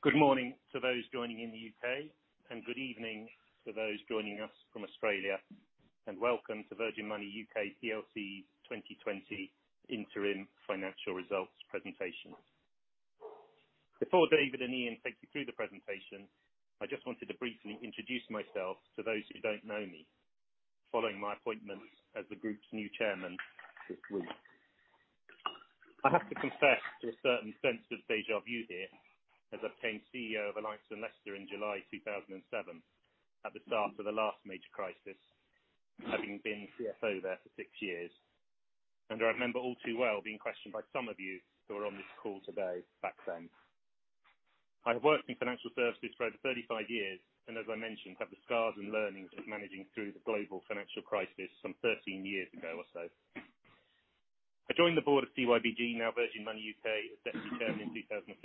Good morning to those joining in the U.K., good evening to those joining us from Australia, and welcome to Virgin Money UK PLC 2020 interim financial results presentation. Before David and Ian take you through the presentation, I just wanted to briefly introduce myself to those who don't know me, following my appointment as the group's new chairman this week. I have to confess to a certain sense of deja vu here, as I became CEO of Alliance & Leicester in July 2007, at the start of the last major crisis, having been CFO there for six years. I remember all too well being questioned by some of you who are on this call today back then. I have worked in financial services for over 35 years, and as I mentioned, have the scars and learnings of managing through the global financial crisis some 13 years ago or so. I joined the board of CYBG, now Virgin Money UK, as deputy chairman in 2015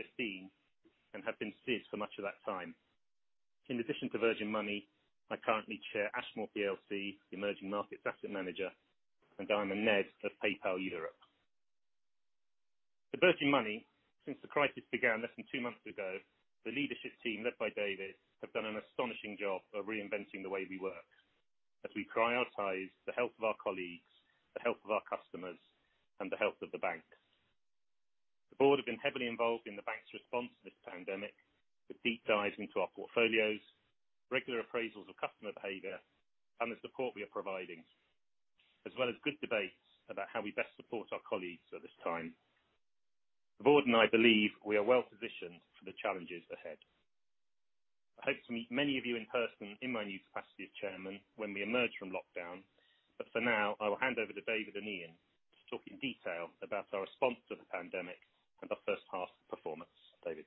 and have been here for much of that time. In addition to Virgin Money, I currently chair Ashmore PLC, the emerging markets asset manager, and I am a NED of PayPal Europe. At Virgin Money, since the crisis began less than two months ago, the leadership team, led by David, have done an astonishing job of reinventing the way we work as we prioritize the health of our colleagues, the health of our customers, and the health of the bank. The board have been heavily involved in the bank's response to this pandemic, with deep dives into our portfolios, regular appraisals of customer behavior, and the support we are providing. As well as good debates about how we best support our colleagues at this time. The board and I believe we are well-positioned for the challenges ahead. I hope to meet many of you in person in my new capacity as chairman when we emerge from lockdown. For now, I will hand over to David and Ian to talk in detail about our response to the pandemic and our first half performance. David?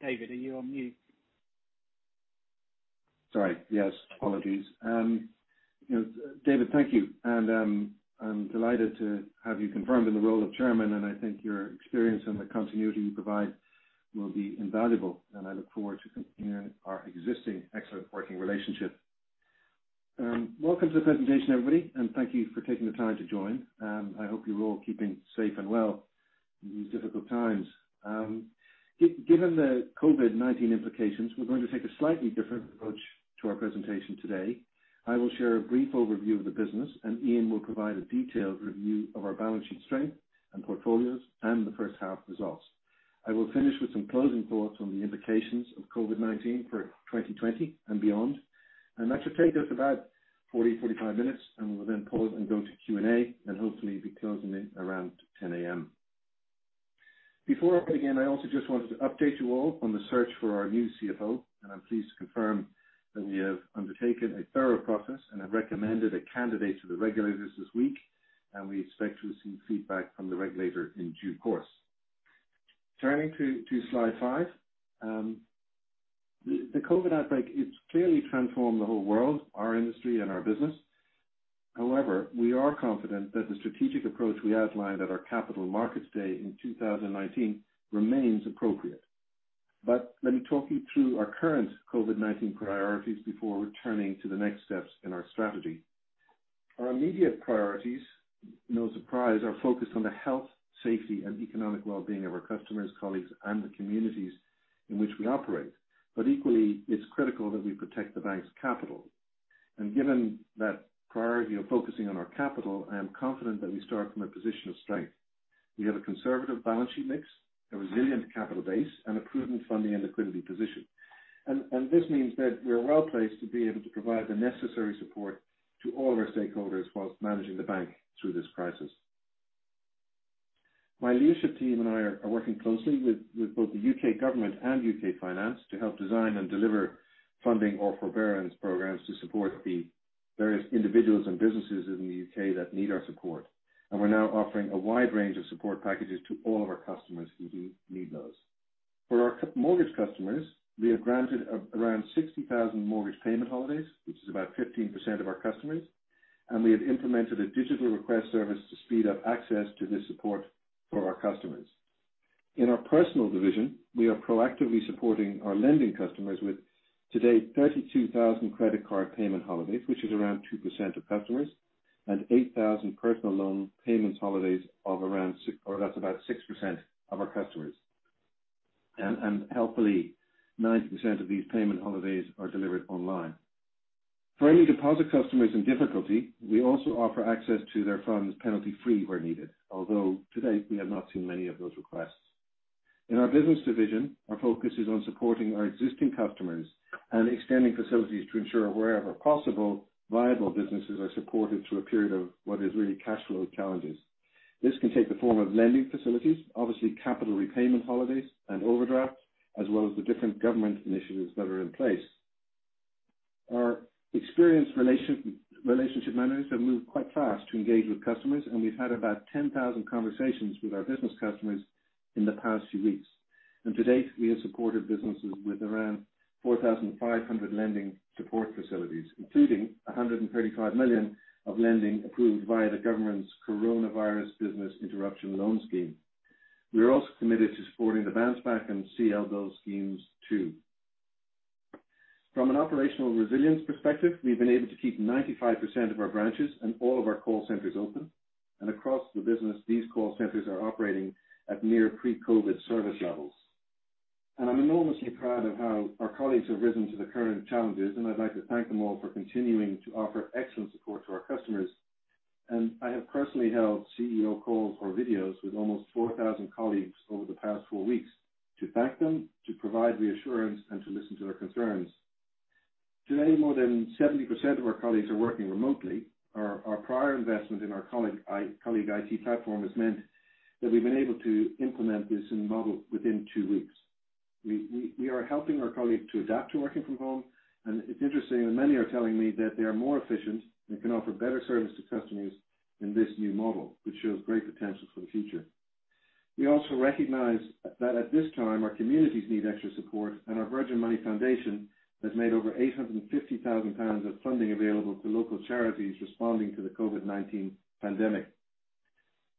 David, are you on mute? Sorry. Yes, apologies. David, thank you. I'm delighted to have you confirmed in the role of Chairman, and I think your experience and the continuity you provide will be invaluable, and I look forward to continuing our existing excellent working relationship. Welcome to the presentation, everybody, and thank you for taking the time to join. I hope you're all keeping safe and well in these difficult times. Given the COVID-19 implications, we're going to take a slightly different approach to our presentation today. I will share a brief overview of the business, and Ian will provide a detailed review of our balance sheet strength and portfolios and the first half results. I will finish with some closing thoughts on the implications of COVID-19 for 2020 and beyond. That should take us about 40, 45 minutes. We'll then pause and go to Q&A, and hopefully be closing it around 10:00 A.M. Before I begin, I also just wanted to update you all on the search for our new CFO. I'm pleased to confirm that we have undertaken a thorough process and have recommended a candidate to the regulators this week, and we expect to receive feedback from the regulator in due course. Turning to slide five. The COVID-19 outbreak, it's clearly transformed the whole world, our industry, and our business. We are confident that the strategic approach we outlined at our Capital Markets Day in 2019 remains appropriate. Let me talk you through our current COVID-19 priorities before returning to the next steps in our strategy. Our immediate priorities, no surprise, are focused on the health, safety, and economic well-being of our customers, colleagues, and the communities in which we operate. Equally, it's critical that we protect the bank's capital. Given that priority of focusing on our capital, I am confident that we start from a position of strength. We have a conservative balance sheet mix, a resilient capital base, and a prudent funding and liquidity position. This means that we're well-placed to be able to provide the necessary support to all of our stakeholders whilst managing the bank through this crisis. My leadership team and I are working closely with both the U.K. government and UK Finance to help design and deliver funding or forbearance programs to support the various individuals and businesses in the U.K. that need our support. We're now offering a wide range of support packages to all of our customers who need those. For our mortgage customers, we have granted around 60,000 mortgage payment holidays, which is about 15% of our customers. We have implemented a digital request service to speed up access to this support for our customers. In our personal division, we are proactively supporting our lending customers with, to date, 32,000 credit card payment holidays, which is around 2% of customers. 8,000 personal loan payment holidays of around 6% of our customers. Helpfully, 90% of these payment holidays are delivered online. For any deposit customers in difficulty, we also offer access to their funds penalty-free where needed. Although to date, we have not seen many of those requests. In our business division, our focus is on supporting our existing customers and extending facilities to ensure wherever possible, viable businesses are supported through a period of what is really cash flow challenges. This can take the form of lending facilities, obviously capital repayment holidays and overdrafts, as well as the different government initiatives that are in place. Our experienced relationship managers have moved quite fast to engage with customers. We've had about 10,000 conversations with our business customers in the past few weeks. To date, we have supported businesses with around 4,500 lending support facilities, including 135 million of lending approved via the government's Coronavirus Business Interruption Loan Scheme. We are also committed to supporting the Bounce Back and CLBILS schemes too. From an operational resilience perspective, we've been able to keep 95% of our branches and all of our call centers open. Across the business, these call centers are operating at near pre-COVID service levels. I'm enormously proud of how our colleagues have risen to the current challenges, and I'd like to thank them all for continuing to offer excellent support to our customers. I have personally held CEO calls or videos with almost 4,000 colleagues over the past four weeks to thank them, to provide reassurance, and to listen to their concerns. Today, more than 70% of our colleagues are working remotely. Our prior investment in our colleague IT platform has meant that we've been able to implement this new model within 2 weeks. We are helping our colleagues to adapt to working from home. It's interesting that many are telling me that they are more efficient and can offer better service to customers in this new model, which shows great potential for the future. We also recognize that at this time, our communities need extra support, and our Virgin Money Foundation has made over 850,000 pounds of funding available to local charities responding to the COVID-19 pandemic.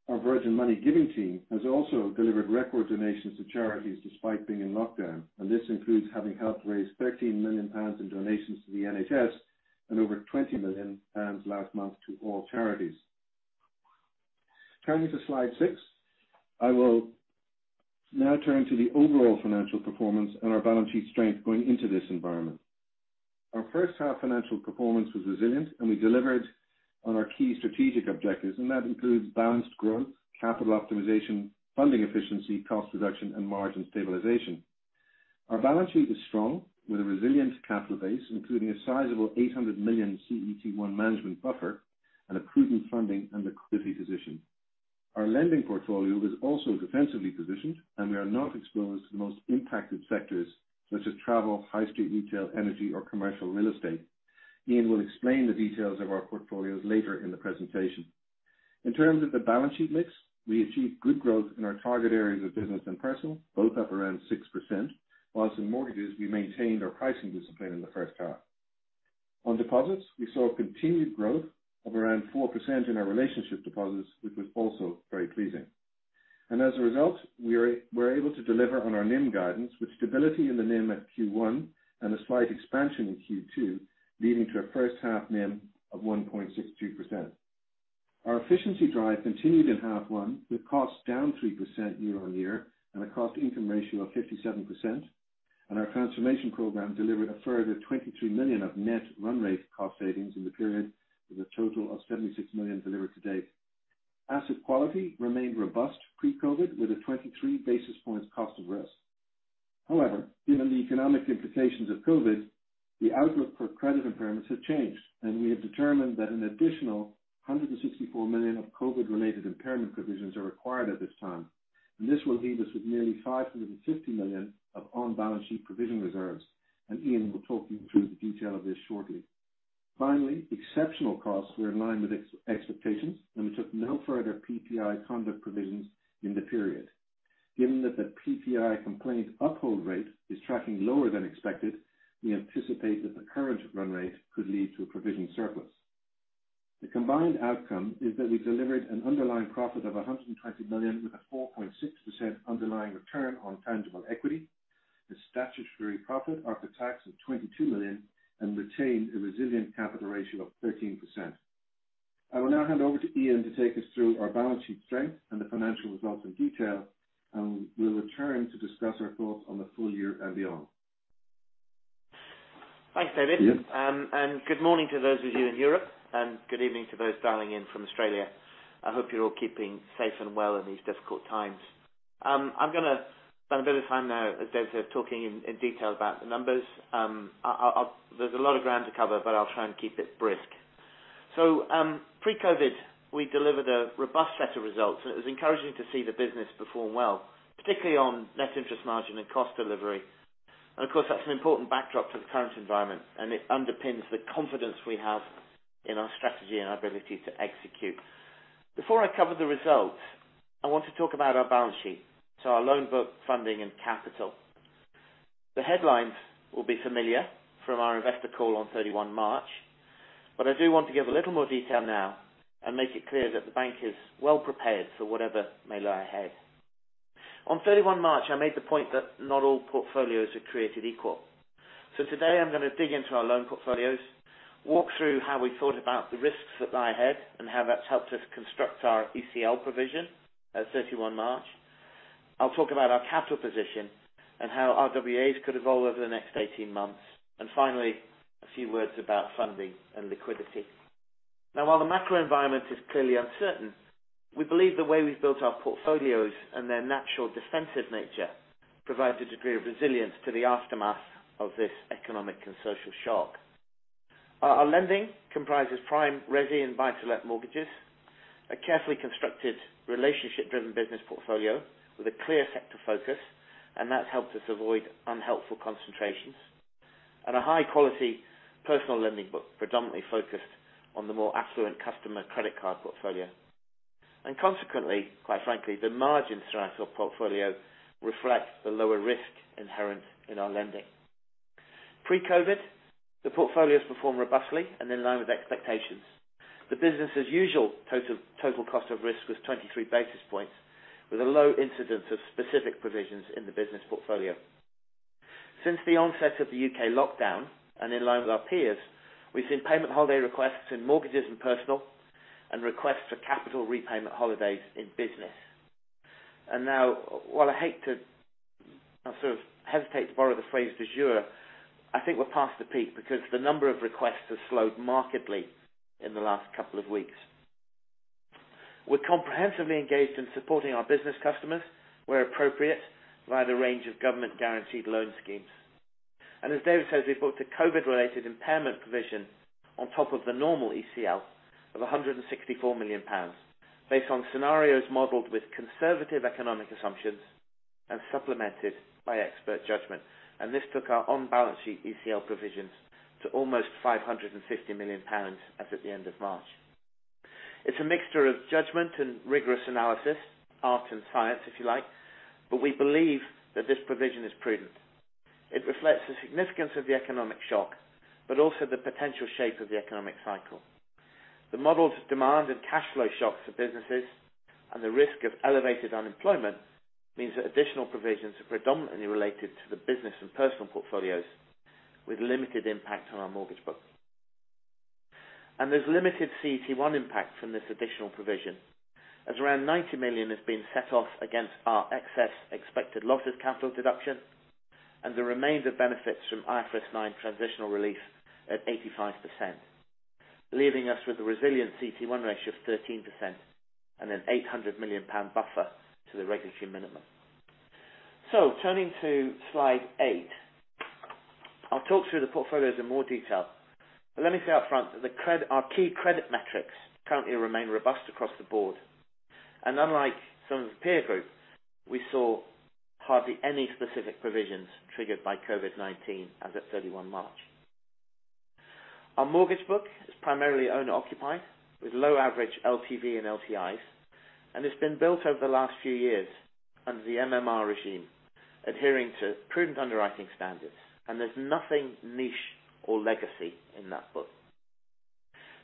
Our Virgin Money Giving team has also delivered record donations to charities despite being in lockdown, and this includes having helped raise 13 million pounds in donations to the NHS and over 20 million pounds last month to all charities. Turning to slide six. I will now turn to the overall financial performance and our balance sheet strength going into this environment. Our first half financial performance was resilient, and we delivered on our key strategic objectives, and that includes balanced growth, capital optimization, funding efficiency, cost reduction, and margin stabilization. Our balance sheet is strong, with a resilient capital base, including a sizable 800 million CET1 management buffer and a prudent funding and liquidity position. Our lending portfolio is also defensively positioned, and we are not exposed to the most impacted sectors such as travel, high street retail, energy, or commercial real estate. Ian will explain the details of our portfolios later in the presentation. In terms of the balance sheet mix, we achieved good growth in our target areas of business and personal, both up around 6%, whilst in mortgages, we maintained our pricing discipline in the first half. On deposits, we saw continued growth of around 4% in our relationship deposits, which was also very pleasing. As a result, we're able to deliver on our NIM guidance with stability in the NIM at Q1 and a slight expansion in Q2, leading to a first half NIM of 1.63%. Our efficiency drive continued in half one, with costs down 3% year-on-year and a cost income ratio of 57%. Our transformation program delivered a further 23 million of net run rate cost savings in the period, with a total of 76 million delivered to date. Asset quality remained robust pre-COVID, with a 23 basis points cost of risk. However, given the economic implications of COVID, the outlook for credit impairments has changed, and we have determined that an additional 164 million of COVID-related impairment provisions are required at this time. This will leave us with nearly 550 million of on-balance sheet provision reserves, and Ian will talk you through the detail of this shortly. Finally, exceptional costs were in line with expectations, and we took no further PPI conduct provisions in the period. Given that the PPI complaint uphold rate is tracking lower than expected, we anticipate that the current run rate could lead to a provision surplus. The combined outcome is that we delivered an underlying profit of 120 million with a 4.6% underlying return on tangible equity. The statutory profit after tax of 22 million and retained a resilient capital ratio of 13%. I will now hand over to Ian to take us through our balance sheet strength and the financial results in detail, and will return to discuss our thoughts on the full year and beyond. Thanks, David. Ian. Good morning to those of you in Europe, and good evening to those dialing in from Australia. I hope you're all keeping safe and well in these difficult times. I'm going to spend a bit of time now, as David said, talking in detail about the numbers. There's a lot of ground to cover, but I'll try and keep it brisk. Pre-COVID, we delivered a robust set of results, and it was encouraging to see the business perform well, particularly on net interest margin and cost delivery. Of course, that's an important backdrop to the current environment, and it underpins the confidence we have in our strategy and our ability to execute. Before I cover the results, I want to talk about our balance sheet, so our loan book, funding, and capital. The headlines will be familiar from our investor call on 31 March, I do want to give a little more detail now and make it clear that the bank is well prepared for whatever may lie ahead. On 31 March, I made the point that not all portfolios are created equal. Today I'm going to dig into our loan portfolios, walk through how we thought about the risks that lie ahead, and how that's helped us construct our ECL provision at 31 March. I'll talk about our capital position and how RWAs could evolve over the next 18 months. Finally, a few words about funding and liquidity. While the macro environment is clearly uncertain, we believe the way we've built our portfolios and their natural defensive nature provides a degree of resilience to the aftermath of this economic and social shock. Our lending comprises prime resi and buy-to-let mortgages. A carefully constructed relationship-driven business portfolio with a clear sector focus, and that's helped us avoid unhelpful concentrations. A high-quality personal lending book predominantly focused on the more affluent customer credit card portfolio. Consequently, quite frankly, the margin strength of portfolio reflects the lower risk inherent in our lending. Pre-COVID, the portfolios performed robustly and in line with expectations. The business as usual total cost of risk was 23 basis points, with a low incidence of specific provisions in the business portfolio. Since the onset of the U.K. lockdown, and in line with our peers, we've seen payment holiday requests in mortgages and personal, and requests for capital repayment holidays in business. Now, while I sort of hesitate to borrow the phrase du jour, I think we're past the peak because the number of requests has slowed markedly in the last couple of weeks. We're comprehensively engaged in supporting our business customers where appropriate, via the range of government guaranteed loan schemes. As David says, we've booked a COVID-19 related impairment provision on top of the normal ECL of 164 million pounds, based on scenarios modeled with conservative economic assumptions and supplemented by expert judgment. This took our on-balance sheet ECL provisions to almost 550 million pounds as at the end of March. It's a mixture of judgment and rigorous analysis, art and science, if you like, but we believe that this provision is prudent. It reflects the significance of the economic shock, but also the potential shape of the economic cycle. The modeled demand and cash flow shocks for businesses, and the risk of elevated unemployment means that additional provisions are predominantly related to the business and personal portfolios, with limited impact on our mortgage book. There's limited CET1 impact from this additional provision, as around 90 million has been set off against our excess expected losses capital deduction, and the remainder benefits from IFRS 9 transitional relief at 85%, leaving us with a resilient CET1 ratio of 13% and a 800 million pound buffer to the regulatory minimum. Turning to Slide 8. I'll talk through the portfolios in more detail, but let me say up front that our key credit metrics currently remain robust across the board. Unlike some of the peer group, we saw hardly any specific provisions triggered by COVID-19 as at 31 March. Our mortgage book is primarily owner occupied with low average LTV and LTIs, and it's been built over the last few years under the MMR regime, adhering to prudent underwriting standards, and there's nothing niche or legacy in that book.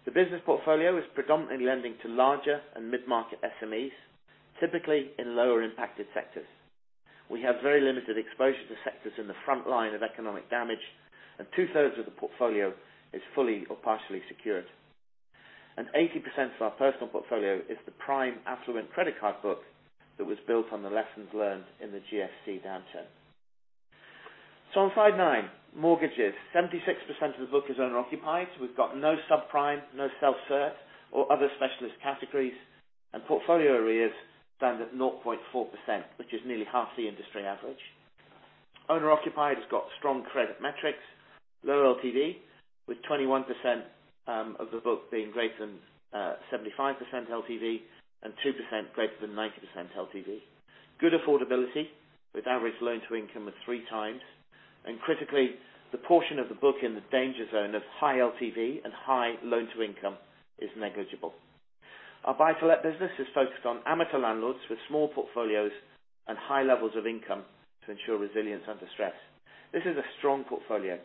The business portfolio is predominantly lending to larger and mid-market SMEs, typically in lower impacted sectors. We have very limited exposure to sectors in the front line of economic damage, and two-thirds of the portfolio is fully or partially secured. 80% of our personal portfolio is the prime affluent credit card book that was built on the lessons learned in the GFC downturn. On slide nine, mortgages. 76% of the book is owner occupied, so we've got no subprime, no self-serve or other specialist categories. Portfolio arrears stand at 0.4%, which is nearly half the industry average. Owner occupied has got strong credit metrics, low LTV, with 21% of the book being greater than 75% LTV and 2% greater than 90% LTV. Good affordability with average loan to income of three times. Critically, the portion of the book in the danger zone of high LTV and high loan to income is negligible. Our buy to let business is focused on amateur landlords with small portfolios and high levels of income to ensure resilience under stress. This is a strong portfolio.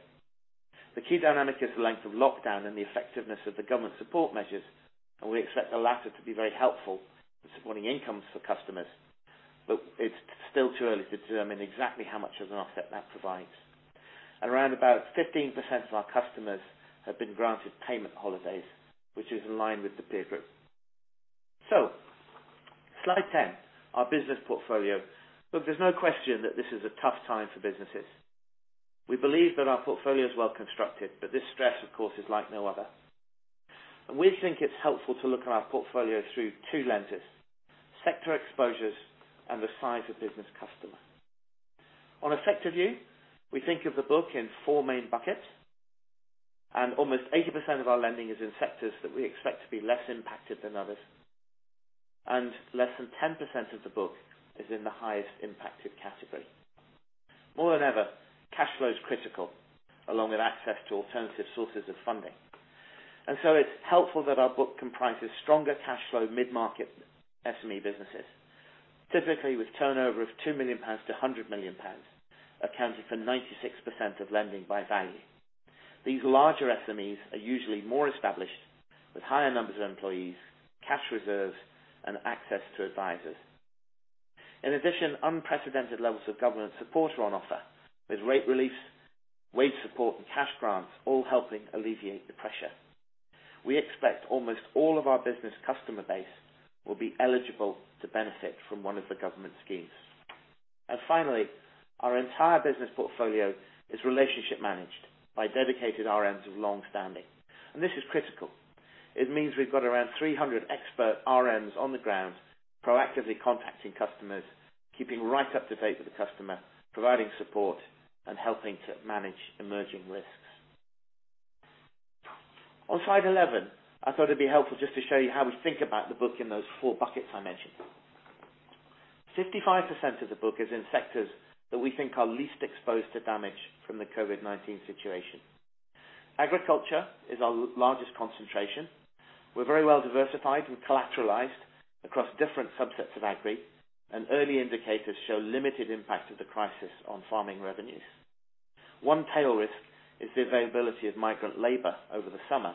The key dynamic is the length of lockdown and the effectiveness of the government support measures, and we expect the latter to be very helpful in supporting incomes for customers. It's still too early to determine exactly how much of an offset that provides. At around about 15% of our customers have been granted payment holidays, which is in line with the peer group. Slide 10, our business portfolio. Look, there's no question that this is a tough time for businesses. We believe that our portfolio is well constructed, but this stress, of course, is like no other. We think it's helpful to look at our portfolio through two lenses, sector exposures and the size of business customer. On a sector view, we think of the book in four main buckets, and almost 80% of our lending is in sectors that we expect to be less impacted than others, and less than 10% of the book is in the highest impacted category. More than ever, cash flow is critical, along with access to alternative sources of funding. It's helpful that our book comprises stronger cash flow mid-market SME businesses, typically with turnover of 2 million pounds to 100 million pounds, accounting for 96% of lending by value. These larger SMEs are usually more established with higher numbers of employees, cash reserves, and access to advisors. Unprecedented levels of government support are on offer with rate reliefs, wage support, and cash grants, all helping alleviate the pressure. We expect almost all of our business customer base will be eligible to benefit from one of the government schemes. Finally, our entire business portfolio is relationship managed by dedicated RMs of long standing, and this is critical. It means we've got around 300 expert RMs on the ground proactively contacting customers, keeping right up to date with the customer, providing support, and helping to manage emerging risks. On slide 11, I thought it'd be helpful just to show you how we think about the book in those four buckets I mentioned. 55% of the book is in sectors that we think are least exposed to damage from the COVID-19 situation. Agriculture is our largest concentration. We're very well diversified and collateralized across different subsets of agri, early indicators show limited impact of the crisis on farming revenues. One tail risk is the availability of migrant labor over the summer,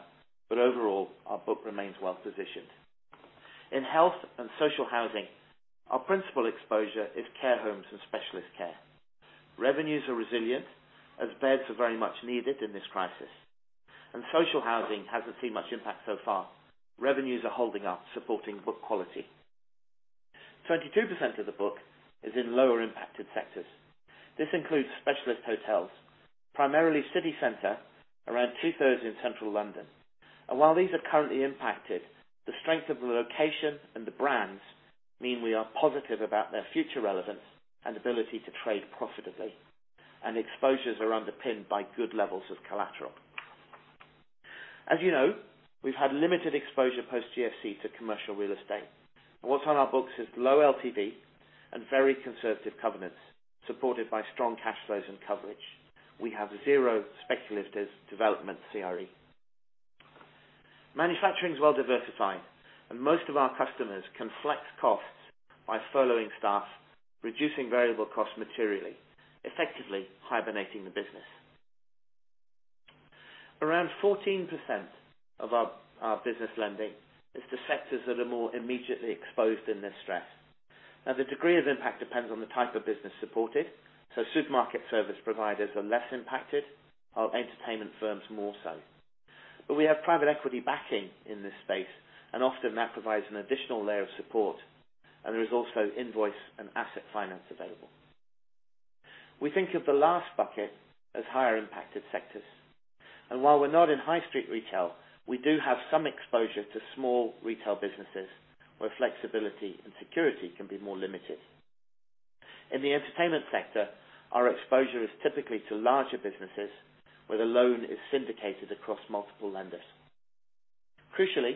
overall, our book remains well positioned. In health and social housing, our principal exposure is care homes and specialist care. Revenues are resilient as beds are very much needed in this crisis, social housing hasn't seen much impact so far. Revenues are holding up, supporting book quality. 22% of the book is in lower impacted sectors. This includes specialist hotels, primarily city center, around two-thirds in central London. While these are currently impacted, the strength of the location and the brands mean we are positive about their future relevance and ability to trade profitably, and exposures are underpinned by good levels of collateral. As you know, we've had limited exposure post GFC to commercial real estate, and what's on our books is low LTV and very conservative covenants, supported by strong cash flows and coverage. We have zero speculative development CRE. Manufacturing is well diversified, and most of our customers can flex costs by furloughing staff, reducing variable costs materially, effectively hibernating the business. Around 14% of our business lending is to sectors that are more immediately exposed in this stress. The degree of impact depends on the type of business supported, so supermarket service providers are less impacted, while entertainment firms more so. We have private equity backing in this space, and often that provides an additional layer of support, and there is also invoice and asset finance available. We think of the last bucket as higher impacted sectors, and while we're not in high street retail, we do have some exposure to small retail businesses where flexibility and security can be more limited. In the entertainment sector, our exposure is typically to larger businesses where the loan is syndicated across multiple lenders. Crucially,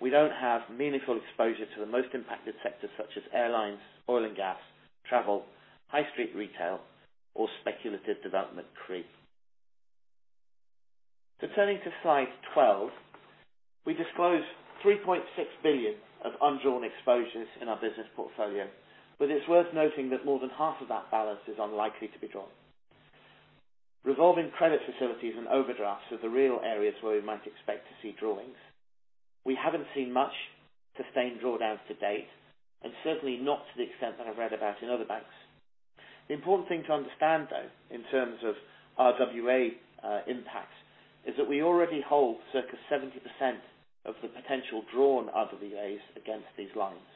we don't have meaningful exposure to the most impacted sectors such as airlines, oil and gas, travel, high street retail, or speculative development CRE. Turning to slide 12. We disclose 3.6 billion of undrawn exposures in our business portfolio, but it's worth noting that more than half of that balance is unlikely to be drawn. Revolving credit facilities and overdrafts are the real areas where we might expect to see drawings. We haven't seen much sustained drawdowns to date, and certainly not to the extent that I've read about in other banks. The important thing to understand, though, in terms of RWA impact, is that we already hold circa 70% of the potential drawn RWAs against these lines.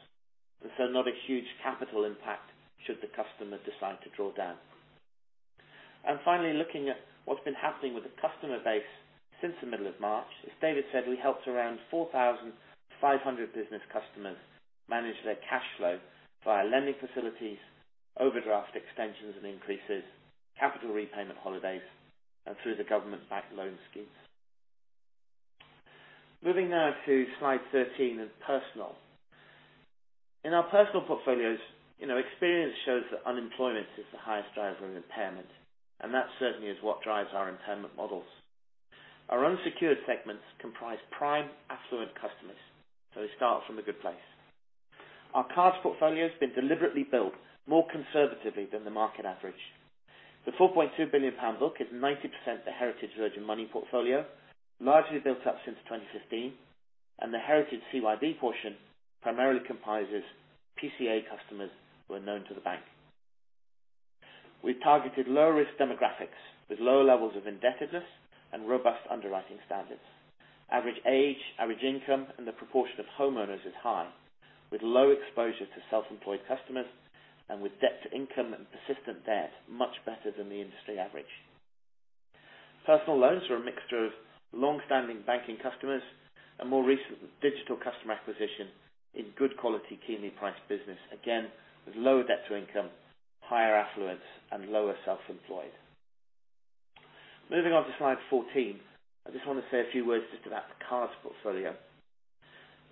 Not a huge capital impact should the customer decide to draw down. Finally, looking at what's been happening with the customer base since the middle of March. As David said, we helped around 4,500 business customers manage their cash flow via lending facilities, overdraft extensions and increases, capital repayment holidays, and through the government-backed loan schemes. Moving now to slide 13 and personal. In our personal portfolios, experience shows that unemployment is the highest driver of impairment, and that certainly is what drives our impairment models. Our unsecured segments comprise prime affluent customers, so we start from a good place. Our cards portfolio has been deliberately built more conservatively than the market average. The 4.2 billion pound book is 90% a heritage Virgin Money portfolio, largely built up since 2015, and the heritage CYBG portion primarily comprises PCA customers who are known to the bank. We targeted low risk demographics with low levels of indebtedness and robust underwriting standards. Average age, average income, and the proportion of homeowners is high. With low exposure to self-employed customers and with debt-to-income and persistent debt much better than the industry average. Personal loans are a mixture of long-standing banking customers and more recent digital customer acquisition in good quality keenly priced business. Again, with lower debt to income, higher affluence, and lower self-employed. Moving on to slide 14. I just want to say a few words just about the cards portfolio.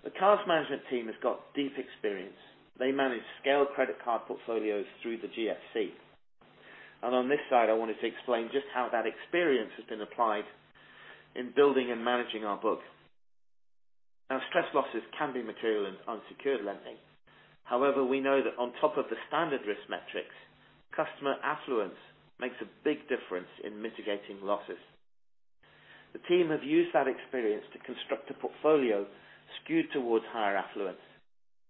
The cards management team has got deep experience. They managed scale credit card portfolios through the GFC. On this slide, I wanted to explain just how that experience has been applied in building and managing our book. Now, stress losses can be material in unsecured lending. However, we know that on top of the standard risk metrics, customer affluence makes a big difference in mitigating losses. The team have used that experience to construct a portfolio skewed towards higher affluence.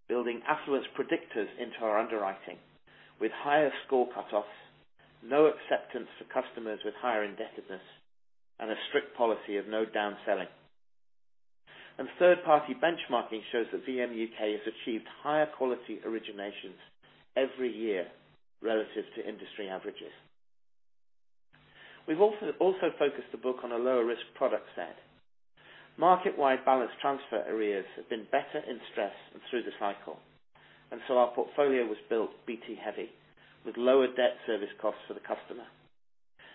Building affluence predictors into our underwriting with higher score cutoffs, no acceptance for customers with higher indebtedness, and a strict policy of no downselling. Third-party benchmarking shows that VMUK has achieved higher quality originations every year relative to industry averages. We've also focused the book on a lower risk product set. Market-wide balance transfer arrears have been better in stress and through the cycle. Our portfolio was built BT heavy, with lower debt service costs for the customer.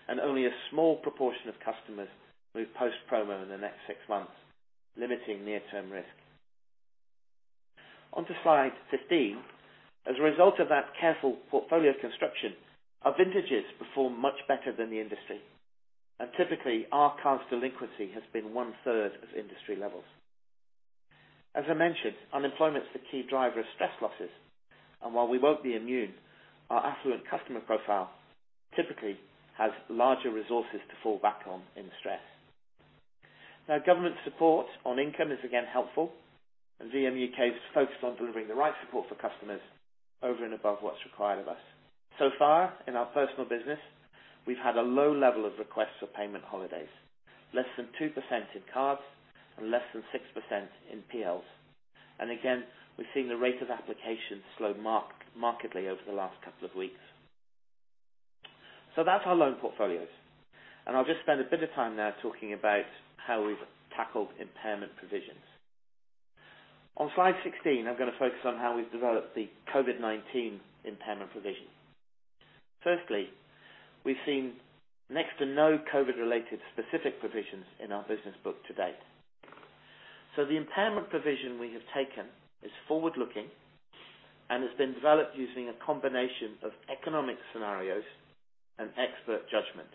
Only a small proportion of customers move post-promo in the next six months, limiting near-term risk. On to slide 15. As a result of that careful portfolio construction, our vintages perform much better than the industry. Typically, our cards delinquency has been one-third of industry levels. As I mentioned, unemployment is the key driver of stress losses. While we won't be immune, our affluent customer profile typically has larger resources to fall back on in stress. Now, government support on income is again helpful, and VMUK is focused on delivering the right support for customers over and above what's required of us. So far in our personal business, we've had a low level of requests for payment holidays, less than 2% in cards and less than 6% in PLs. Again, we're seeing the rate of applications slow markedly over the last couple of weeks. That's our loan portfolios, and I'll just spend a bit of time now talking about how we've tackled impairment provisions. On slide 16, I'm going to focus on how we've developed the COVID-19 impairment provision. Firstly, we've seen next to no COVID-related specific provisions in our business book to date. The impairment provision we have taken is forward-looking and has been developed using a combination of economic scenarios and expert judgment.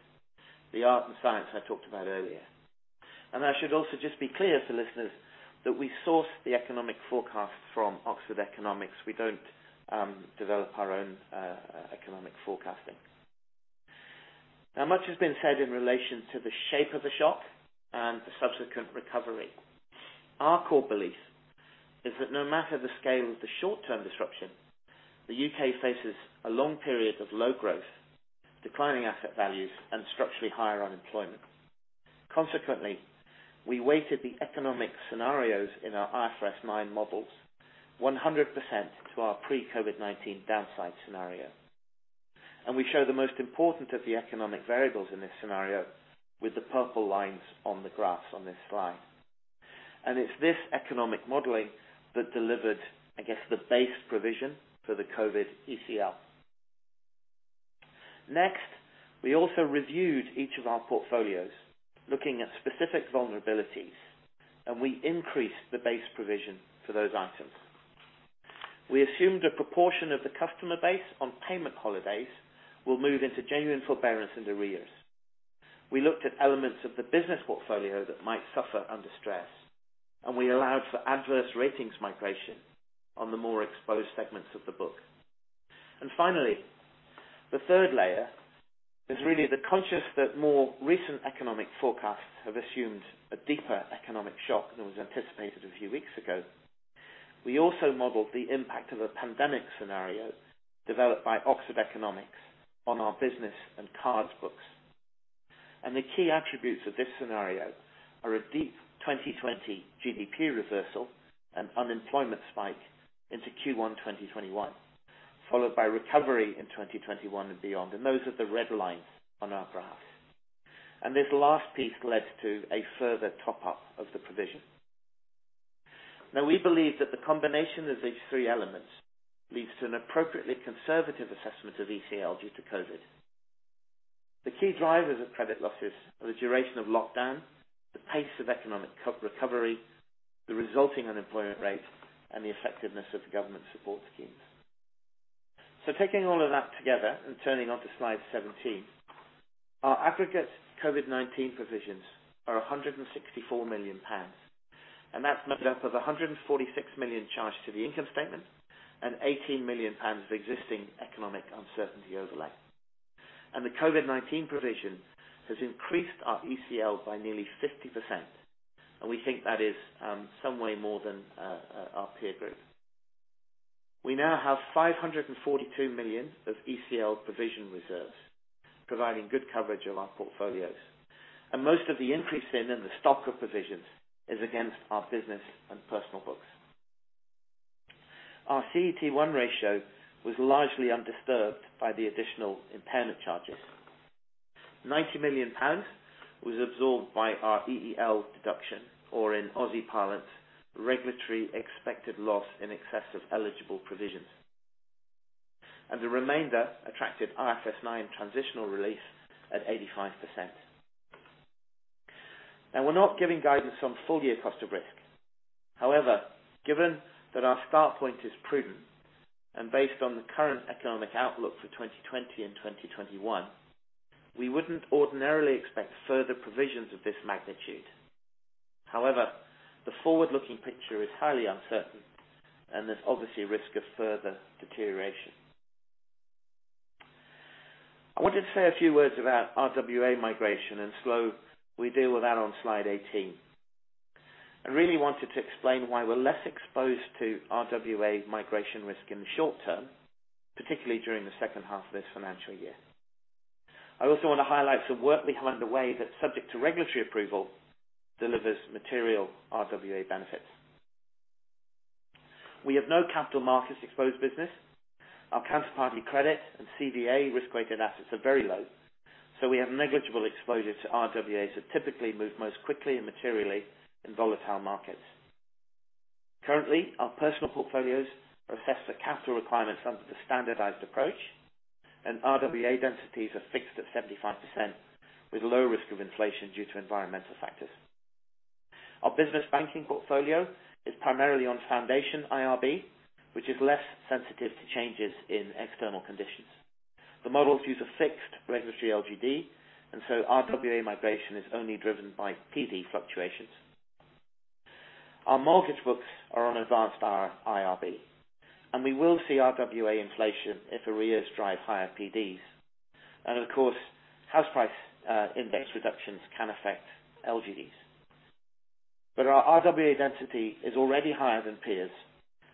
The art and science I talked about earlier. I should also just be clear to listeners that we source the economic forecast from Oxford Economics. We don't develop our own economic forecasting. Much has been said in relation to the shape of the shock and the subsequent recovery. Our core belief is that no matter the scale of the short term disruption, the U.K. faces a long period of low growth, declining asset values, and structurally higher unemployment. Consequently, we weighted the economic scenarios in our IFRS 9 models 100% to our pre COVID-19 downside scenario. We show the most important of the economic variables in this scenario with the purple lines on the graphs on this slide. It's this economic modeling that delivered, I guess, the base provision for the COVID ECL. Next, we also reviewed each of our portfolios, looking at specific vulnerabilities, and we increased the base provision for those items. We assumed a proportion of the customer base on payment holidays will move into genuine forbearance and arrears. We looked at elements of the business portfolio that might suffer under stress, and we allowed for adverse ratings migration on the more exposed segments of the book. Finally, the third layer is really the conscious that more recent economic forecasts have assumed a deeper economic shock than was anticipated a few weeks ago. We also modeled the impact of a pandemic scenario developed by Oxford Economics on our business and cards books. The key attributes of this scenario are a deep 2020 GDP reversal and unemployment spike into Q1 2021, followed by recovery in 2021 and beyond. Those are the red lines on our graphs. This last piece led to a further top up of the provision. Now, we believe that the combination of these three elements leads to an appropriately conservative assessment of ECL due to COVID-19. The key drivers of credit losses are the duration of lockdown, the pace of economic recovery, the resulting unemployment rate, and the effectiveness of the government support schemes. Taking all of that together and turning on to slide 17, our aggregate COVID-19 provisions are 164 million pounds, and that's made up of 146 million charged to the income statement and 18 million pounds of existing economic uncertainty overlay. The COVID-19 provision has increased our ECL by nearly 50%, and we think that is some way more than our peer group. We now have 542 million of ECL provision reserves, providing good coverage of our portfolios. Most of the increase in the stock of provisions is against our business and personal books. Our CET1 ratio was largely undisturbed by the additional impairment charges. 90 million pounds was absorbed by our EEL deduction or in Aussie parlance, regulatory expected loss in excess of eligible provisions. The remainder attracted IFRS 9 transitional relief at 85%. Now, we're not giving guidance on full year cost of risk. However, given that our start point is prudent and based on the current economic outlook for 2020 and 2021, we wouldn't ordinarily expect further provisions of this magnitude. However, the forward-looking picture is highly uncertain, and there's obviously risk of further deterioration. I wanted to say a few words about RWA migration and slow. We deal with that on slide 18. I really wanted to explain why we're less exposed to RWA migration risk in the short term, particularly during the second half of this financial year. I also want to highlight some work we have underway that, subject to regulatory approval, delivers material RWA benefits. We have no capital markets exposed business. Our counterparty credit and CVA risk-weighted assets are very low, so we have negligible exposure to RWAs that typically move most quickly and materially in volatile markets. Currently, our personal portfolios are assessed for capital requirements under the standardized approach, and RWA densities are fixed at 75% with low risk of inflation due to environmental factors. Our business banking portfolio is primarily on foundation IRB, which is less sensitive to changes in external conditions. The models use a fixed regulatory LGD, and so RWA migration is only driven by PD fluctuations. Our mortgage books are on advanced A-IRB. We will see RWA inflation if arrears drive higher PDs. Of course, house price index reductions can affect LGDs. Our RWA density is already higher than peers,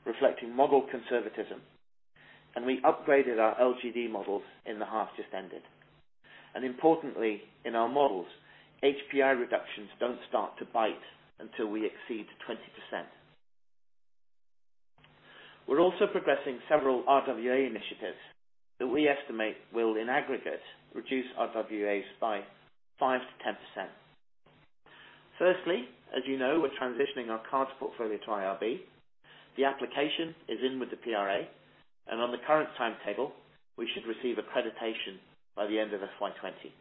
reflecting model conservatism, and we upgraded our LGD models in the half just ended. Importantly, in our models, HPI reductions don't start to bite until we exceed 20%. We're also progressing several RWA initiatives that we estimate will, in aggregate, reduce RWAs by 5%-10%. Firstly, as you know, we're transitioning our cards portfolio to IRB. The application is in with the PRA, and on the current timetable, we should receive accreditation by the end of FY 2020.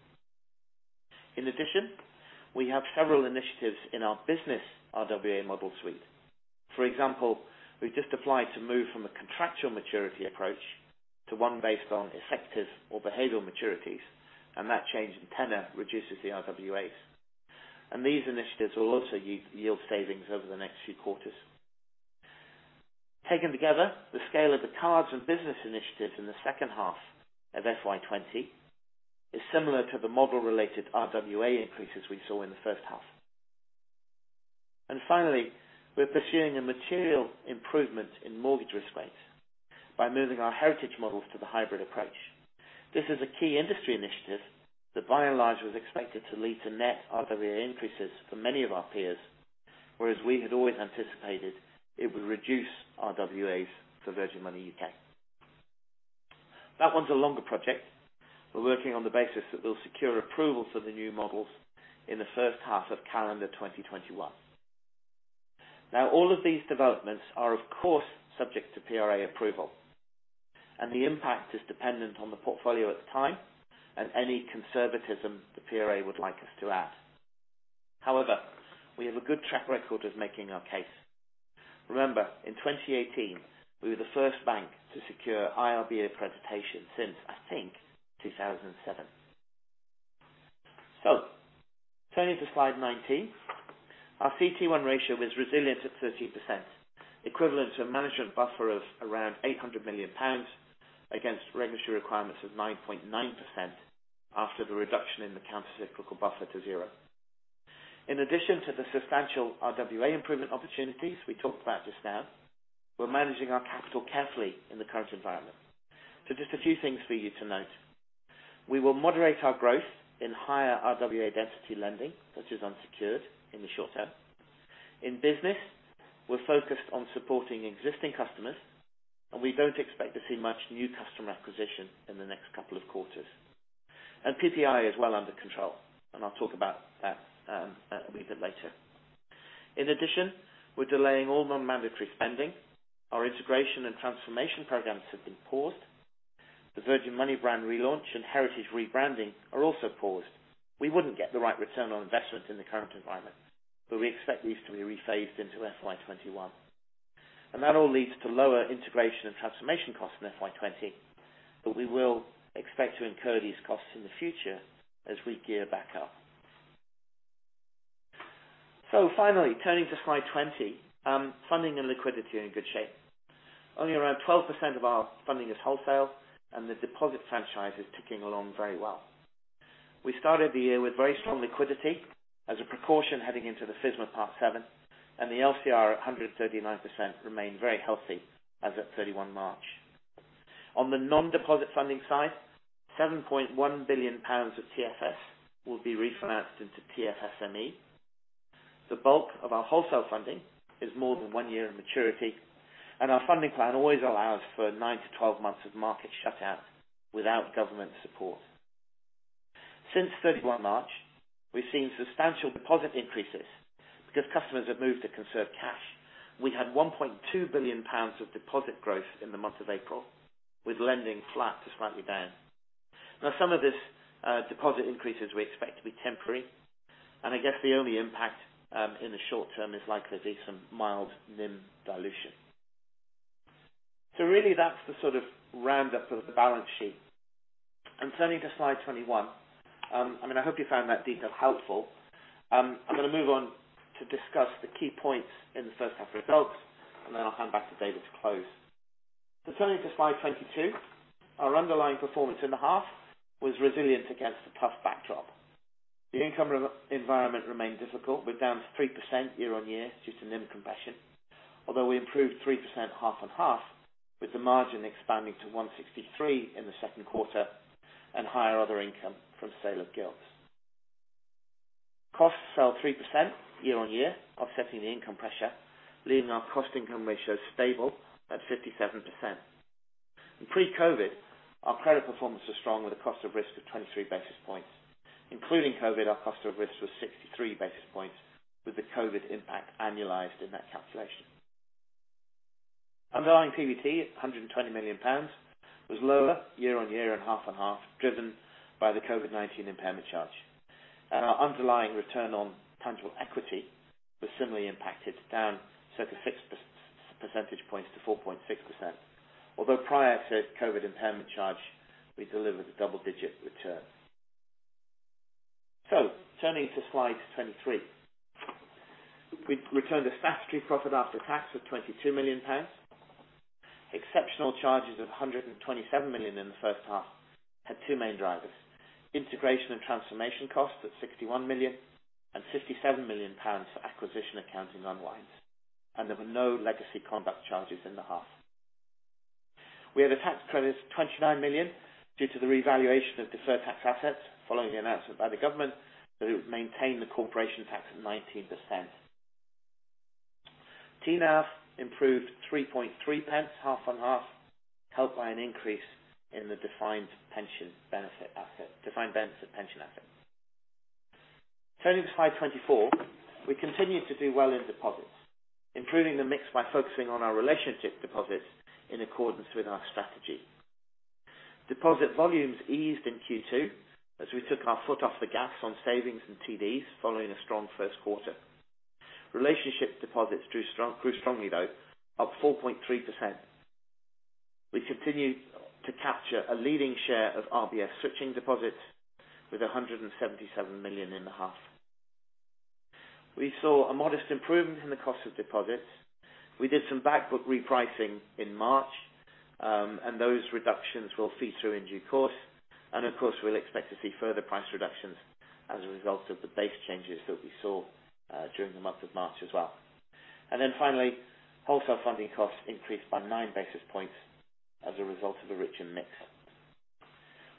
In addition, we have several initiatives in our business RWA model suite. For example, we just applied to move from a contractual maturity approach to one based on effective or behavioral maturities, that change in tenor reduces the RWAs. These initiatives will also yield savings over the next few quarters. Taken together, the scale of the cards and business initiatives in the second half of FY 2020 is similar to the model related RWA increases we saw in the first half. Finally, we are pursuing a material improvement in mortgage risk weights by moving our heritage models to the hybrid approach. This is a key industry initiative that by and large, was expected to lead to net RWA increases for many of our peers, whereas we had always anticipated it would reduce RWAs for Virgin Money UK. That one's a longer project. We're working on the basis that we'll secure approval for the new models in the first half of calendar 2021. All of these developments are, of course, subject to PRA approval, and the impact is dependent on the portfolio at the time and any conservatism the PRA would like us to add. However, we have a good track record of making our case. Remember, in 2018, we were the first bank to secure IRB accreditation since, I think, 2007. Turning to slide 19. Our CET1 ratio was resilient at 13%, equivalent to a management buffer of around 800 million pounds against regulatory requirements of 9.9% after the reduction in the countercyclical buffer to zero. In addition to the substantial RWA improvement opportunities we talked about just now, we're managing our capital carefully in the current environment. Just a few things for you to note. We will moderate our growth in higher RWA density lending, such as unsecured in the short term. In business, we're focused on supporting existing customers, and we don't expect to see much new customer acquisition in the next couple of quarters. PPI is well under control, and I'll talk about that a wee bit later. In addition, we're delaying all non-mandatory spending. Our integration and transformation programs have been paused. The Virgin Money brand relaunch and heritage rebranding are also paused. We wouldn't get the right return on investment in the current environment, but we expect these to be rephased into FY 2021. That all leads to lower integration and transformation costs in FY 2020. We will expect to incur these costs in the future as we gear back up. Finally, turning to slide 20. Funding and liquidity are in good shape. Only around 12% of our funding is wholesale, and the deposit franchise is ticking along very well. We started the year with very strong liquidity as a precaution heading into the FSMA Part VII, and the LCR at 139% remained very healthy as at 31 March. On the non-deposit funding side, 7.1 billion pounds of TFS will be refinanced into TFSME. The bulk of our wholesale funding is more than one year in maturity, and our funding plan always allows for nine to 12 months of market shutouts without government support. Since 31 March, we've seen substantial deposit increases because customers have moved to conserve cash. We had 1.2 billion pounds of deposit growth in the month of April, with lending flat to slightly down. Some of this deposit increases we expect to be temporary, and I guess the only impact in the short term is likely to be some mild NIM dilution. That's the sort of roundup of the balance sheet. Turning to slide 21. I hope you found that detail helpful. I'm going to move on to discuss the key points in the first half results, and then I'll hand back to David to close. Turning to slide 22. Our underlying performance in the half was resilient against a tough backdrop. The income environment remained difficult, we're down to 3% year-on-year due to NIM compression. Although we improved 3% half-on-half with the margin expanding to 163 in the second quarter and higher other income from sale of gilts. Costs fell 3% year-on-year, offsetting the income pressure, leaving our cost income ratio stable at 57%. In pre-COVID, our credit performance was strong with a cost of risk of 23 basis points, including COVID, our cost of risk was 63 basis points with the COVID impact annualized in that calculation. Underlying PBT at 120 million pounds was lower year on year and half on half, driven by the COVID-19 impairment charge. Our underlying return on tangible equity was similarly impacted down circa 6 percentage points to 4.6%. Although prior to COVID impairment charge, we delivered a double-digit return. Turning to slide 23. We returned a statutory profit after tax of 22 million pounds. Exceptional charges of 127 million in the first half had two main drivers. Integration and transformation costs at 61 million. 57 million pounds for acquisition accounting unwinds. There were no legacy conduct charges in the half. We had a tax credit of 29 million due to the revaluation of deferred tax assets following the announcement by the government that it would maintain the corporation tax at 19%. TNAV improved 0.033 half on half, helped by an increase in the defined benefit pension asset. Turning to slide 24. We continued to do well in deposits, improving the mix by focusing on our relationship deposits in accordance with our strategy. Deposit volumes eased in Q2 as we took our foot off the gas on savings and TDs following a strong first quarter. Relationship deposits grew strongly, though, up 4.3%. We continued to capture a leading share of RBS switching deposits with 177 million in the half. We saw a modest improvement in the cost of deposits. We did some back book repricing in March, those reductions will feed through in due course. Of course, we'll expect to see further price reductions as a result of the base changes that we saw during the month of March as well. Finally, wholesale funding costs increased by 9 basis points as a result of a richer mix.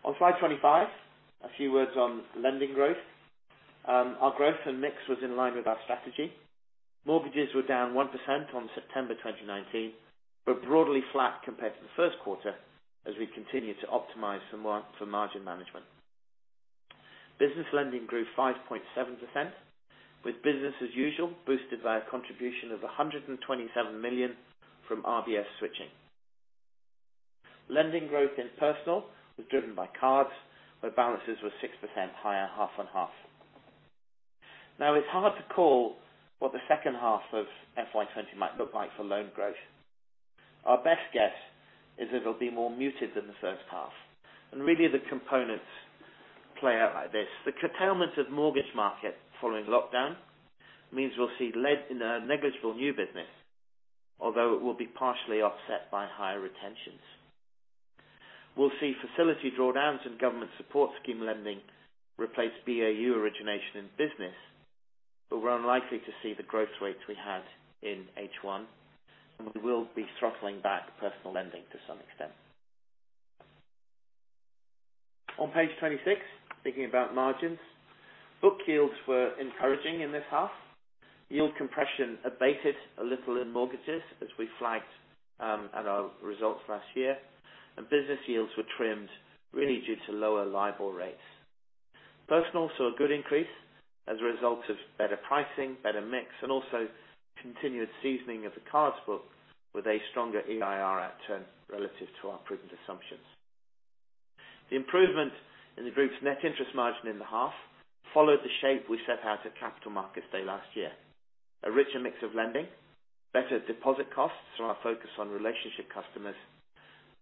On slide 25, a few words on lending growth. Our growth and mix was in line with our strategy. Mortgages were down 1% on September 2019, but broadly flat compared to the first quarter as we continued to optimize for margin management. Business lending grew 5.7%, with business as usual, boosted by a contribution of 127 million from RBS switching. Lending growth in personal was driven by cards, where balances were 6% higher half on half. It's hard to call what the second half of FY20 might look like for loan growth. Our best guess is that it'll be more muted than the first half. Really the components play out like this. The curtailment of mortgage market following lockdown means we'll see negligible new business, although it will be partially offset by higher retentions. We'll see facility drawdowns and government support scheme lending replace BAU origination in business. We're unlikely to see the growth rates we had in H1. We will be throttling back personal lending to some extent. On page 26, speaking about margins. Book yields were encouraging in this half. Yield compression abated a little in mortgages as we flagged at our results last year. Business yields were trimmed really due to lower LIBOR rates. Personal saw a good increase as a result of better pricing, better mix, and also continued seasoning of the cards book with a stronger EIR outturn relative to our prudent assumptions. The improvement in the group's net interest margin in the half followed the shape we set out at Capital Markets Day last year. A richer mix of lending, better deposit costs from our focus on relationship customers,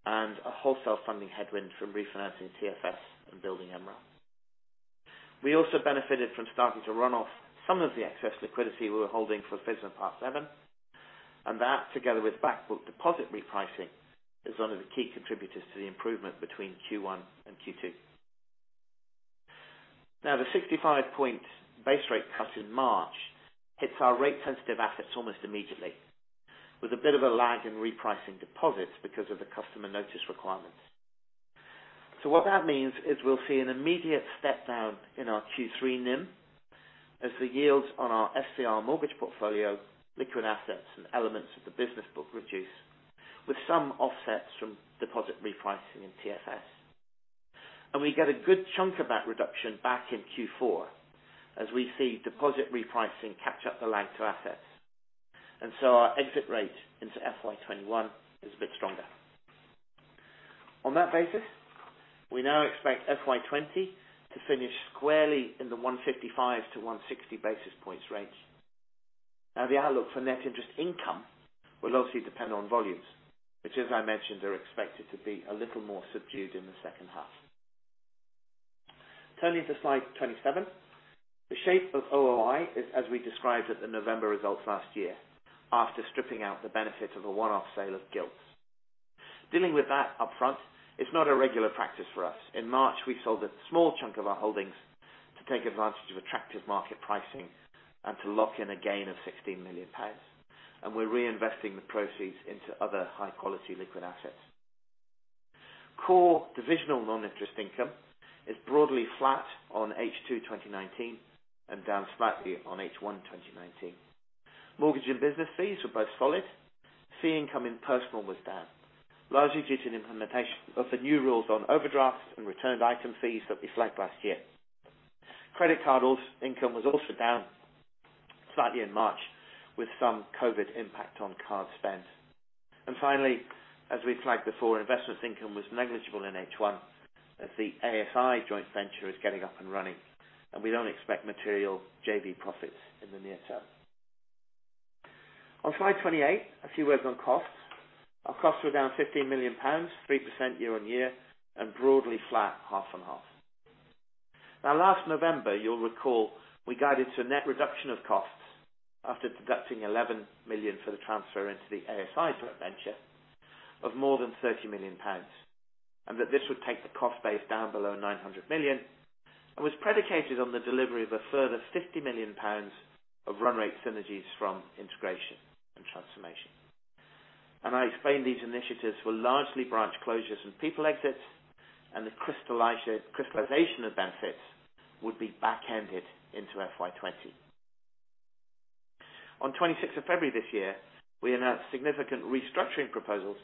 and a wholesale funding headwind from refinancing TFS and building MREL. We also benefited from starting to run off some of the excess liquidity we were holding for FSMA Part VII, and that, together with back book deposit repricing, is one of the key contributors to the improvement between Q1 and Q2. The 65 point base rate cut in March hits our rate sensitive assets almost immediately, with a bit of a lag in repricing deposits because of the customer notice requirements. What that means is we'll see an immediate step down in our Q3 NIM as the yields on our SVR mortgage portfolio, liquid assets, and elements of the business book reduce, with some offsets from deposit repricing in TFS. We get a good chunk of that reduction back in Q4 as we see deposit repricing catch up the lag to assets. Our exit rate into FY 2021 is a bit stronger. On that basis, we now expect FY 2020 to finish squarely in the 155-160 basis points range. The outlook for net interest income will obviously depend on volumes, which as I mentioned, are expected to be a little more subdued in the second half. Turning to slide 27. The shape of OOI is as we described at the November results last year, after stripping out the benefit of a one-off sale of gilts. Dealing with that upfront is not a regular practice for us. In March, we sold a small chunk of our holdings to take advantage of attractive market pricing and to lock in a gain of 16 million pounds. We're reinvesting the proceeds into other high-quality liquid assets. Core divisional non-interest income is broadly flat on H2 2019 and down slightly on H1 2019. Mortgage and business fees were both solid. Fee income in personal was down, largely due to the implementation of the new rules on overdrafts and returned item fees that we flagged last year. Credit card income was also down slightly in March with some COVID impact on card spend. Finally, as we flagged before, investments income was negligible in H1 as the ASI joint venture is getting up and running, and we don't expect material JV profits in the near term. On slide 28, a few words on costs. Our costs were down 15 million pounds, 3% year-on-year, and broadly flat half-on-half. Last November, you'll recall we guided to a net reduction of costs after deducting 11 million for the transfer into the ASI joint venture of more than 30 million pounds, and that this would take the cost base down below 900 million and was predicated on the delivery of a further 50 million pounds of run rate synergies from integration and transformation. On 26th February this year, we announced significant restructuring proposals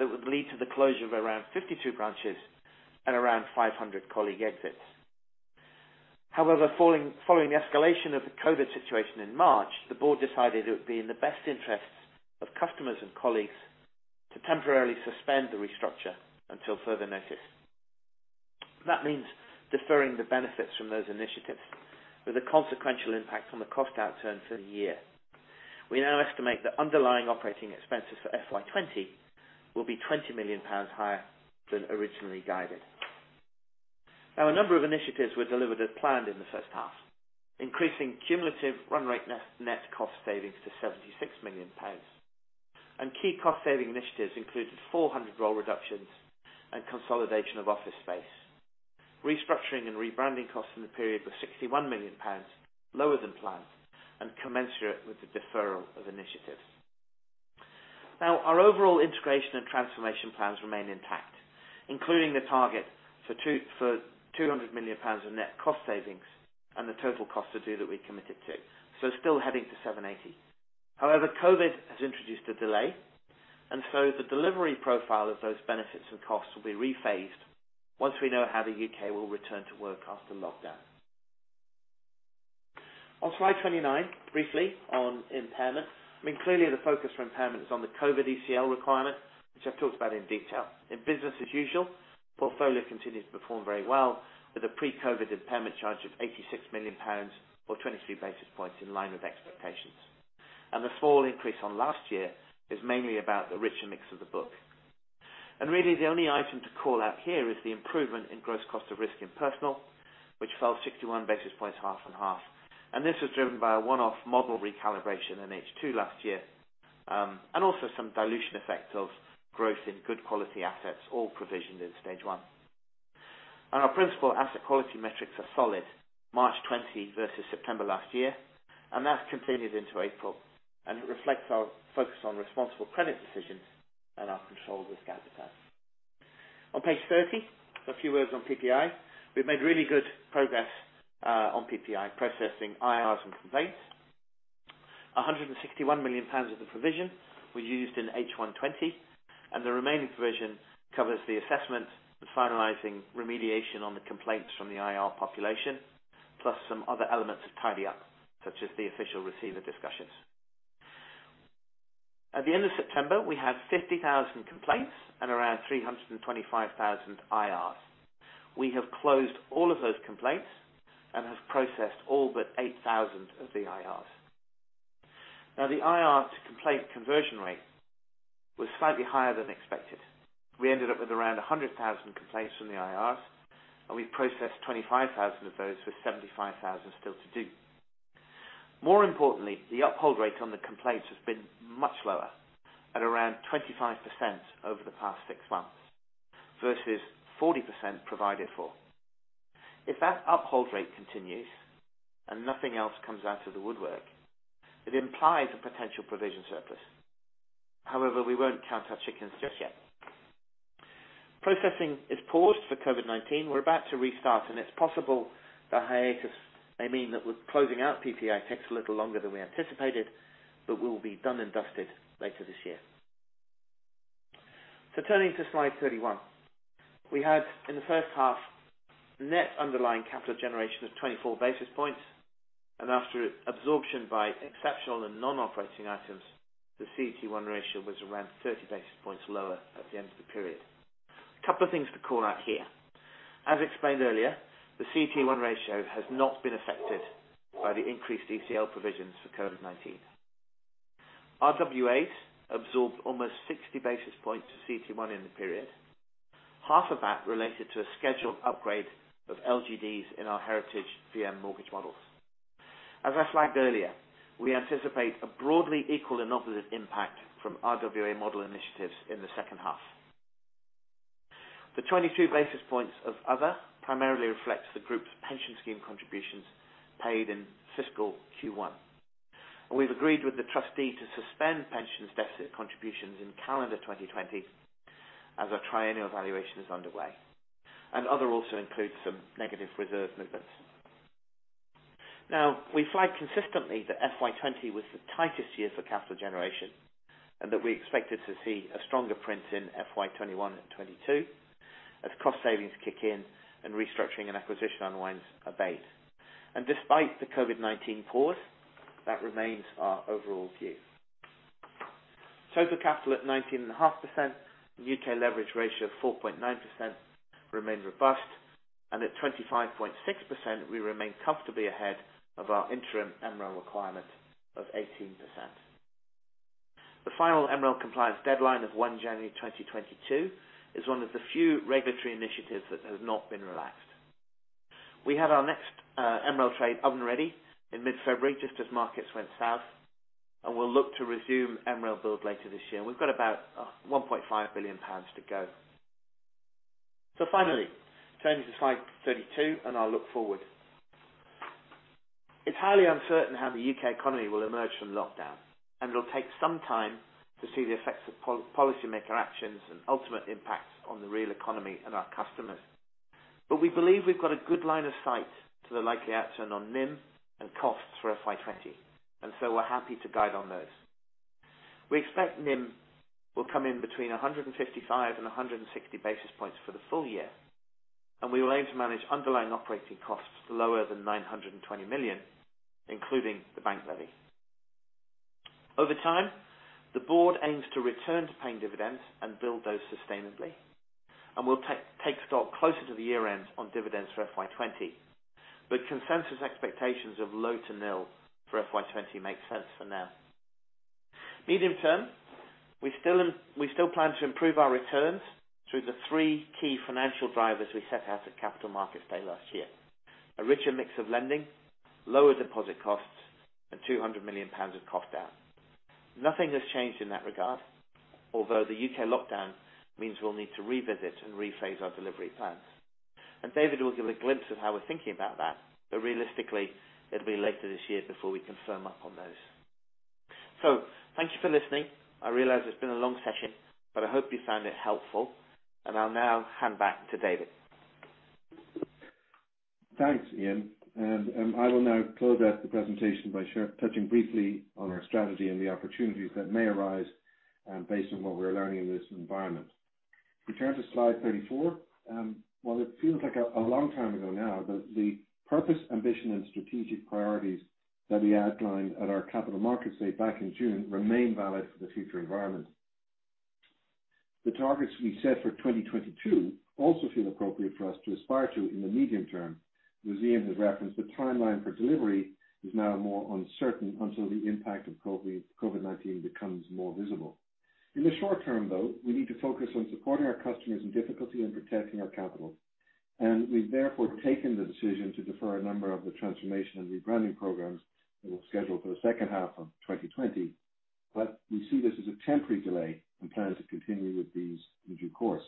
that would lead to the closure of around 52 branches and around 500 colleague exits. Following the escalation of the COVID situation in March, the board decided it would be in the best interests of customers and colleagues to temporarily suspend the restructure until further notice. That means deferring the benefits from those initiatives with a consequential impact on the cost outturn for the year. We now estimate that underlying operating expenses for FY 2020 will be 20 million pounds higher than originally guided. A number of initiatives were delivered as planned in the first half, increasing cumulative run rate net cost savings to GBP 76 million. Key cost saving initiatives included 400 role reductions and consolidation of office space. Restructuring and rebranding costs in the period were 61 million pounds, lower than planned, and commensurate with the deferral of initiatives. Our overall integration and transformation plans remain intact, including the target for 200 million pounds of net cost savings and the total cost to do that we committed to, so still heading to 780 million. However, COVID has introduced a delay, the delivery profile of those benefits and costs will be rephased once we know how the U.K. will return to work after lockdown. On slide 29, briefly on impairment. Clearly the focus for impairment is on the COVID ECL requirement, which I've talked about in detail. In business as usual, portfolio continues to perform very well with a pre-COVID impairment charge of 86 million pounds or 22 basis points in line with expectations. The small increase on last year is mainly about the richer mix of the book. Really the only item to call out here is the improvement in gross cost of risk in personal, which fell 61 basis points half-on-half. This was driven by a one-off model recalibration in H2 last year, also some dilution effect of growth in good quality assets, all provisioned in stage 1. Our principal asset quality metrics are solid March 2020 versus September 2019, that continued into April and reflects our focus on responsible credit decisions and our control of the risk appetite. On page 30, a few words on PPI. We've made really good progress on PPI, processing IRs and complaints. 161 million pounds of the provision we used in H1 2020, the remaining provision covers the assessment and finalizing remediation on the complaints from the IR population, plus some other elements of tidy up, such as the official receiver discussions. At the end of September 2019, we had 50,000 complaints and around 325,000 IRs. We have closed all of those complaints and have processed all but 8,000 of the IRs. The IR to complaint conversion rate was slightly higher than expected. We ended up with around 100,000 complaints from the IRs, and we processed 25,000 of those, with 75,000 still to do. More importantly, the uphold rate on the complaints has been much lower at around 25% over the past six months versus 40% provided for. If that uphold rate continues and nothing else comes out of the woodwork, it implies a potential provision surplus. However, we won't count our chickens just yet. Processing is paused for COVID-19. We're about to restart, and it's possible the hiatus may mean that closing out PPI takes a little longer than we anticipated, but we will be done and dusted later this year. Turning to slide 31. We had in the first half net underlying capital generation of 24 basis points. After absorption by exceptional and non-operating items, the CET1 ratio was around 30 basis points lower at the end of the period. A couple of things to call out here. As explained earlier, the CET1 ratio has not been affected by the increased ECL provisions for COVID-19. RWAs absorbed almost 60 basis points to CET1 in the period. Half of that related to a scheduled upgrade of LGDs in our heritage VM mortgage models. As I flagged earlier, we anticipate a broadly equal and opposite impact from RWA model initiatives in the second half. The 22 basis points of other primarily reflects the group's pension scheme contributions paid in fiscal Q1. We've agreed with the trustee to suspend pensions deficit contributions in calendar 2020 as our triennial valuation is underway. Other also includes some negative reserve movements. Now, we flagged consistently that FY 2020 was the tightest year for capital generation and that we expected to see a stronger print in FY 2021 and 2022 as cost savings kick in and restructuring and acquisition unwinds abate. Despite the COVID-19 pause, that remains our overall view. Total capital at 19.5%, and UK leverage ratio of 4.9% remain robust. At 25.6%, we remain comfortably ahead of our interim MREL requirement of 18%. The final MREL compliance deadline of 1 January 2022 is one of the few regulatory initiatives that has not been relaxed. We had our next MREL trade oven-ready in mid-February, just as markets went south. We'll look to resume MREL build later this year. We've got about 1.5 billion pounds to go. Finally, turning to slide 32, and I'll look forward. It's highly uncertain how the U.K. economy will emerge from lockdown. It'll take some time to see the effects of policymaker actions and ultimate impacts on the real economy and our customers. We believe we've got a good line of sight to the likely outturn on NIM and costs for FY20. We're happy to guide on those. We expect NIM will come in between 155 and 160 basis points for the full year, and we will aim to manage underlying operating costs lower than 920 million, including the bank levy. Over time, the board aims to return to paying dividends and build those sustainably. We'll take stock closer to the year-end on dividends for FY20. Consensus expectations of low to nil for FY20 make sense for now. Medium term, we still plan to improve our returns through the three key financial drivers we set out at Capital Markets Day last year. A richer mix of lending, lower deposit costs, and 200 million pounds of cost out. Nothing has changed in that regard. The U.K. lockdown means we'll need to revisit and rephase our delivery plans. David will give a glimpse of how we're thinking about that. Realistically, it'll be later this year before we confirm up on those. Thank you for listening. I realize it's been a long session, but I hope you found it helpful, and I'll now hand back to David. Thanks, Ian. I will now close out the presentation by touching briefly on our strategy and the opportunities that may arise based on what we're learning in this environment. If we turn to slide 34. While it feels like a long time ago now, the purpose, ambition, and strategic priorities that we outlined at our Capital Markets Day back in June remain valid for the future environment. The targets we set for 2022 also feel appropriate for us to aspire to in the medium term. As Ian has referenced, the timeline for delivery is now more uncertain until the impact of COVID-19 becomes more visible. In the short term, though, we need to focus on supporting our customers in difficulty and protecting our capital, and we've therefore taken the decision to defer a number of the transformation and rebranding programs that were scheduled for the second half of 2020. We see this as a temporary delay and plan to continue with these in due course.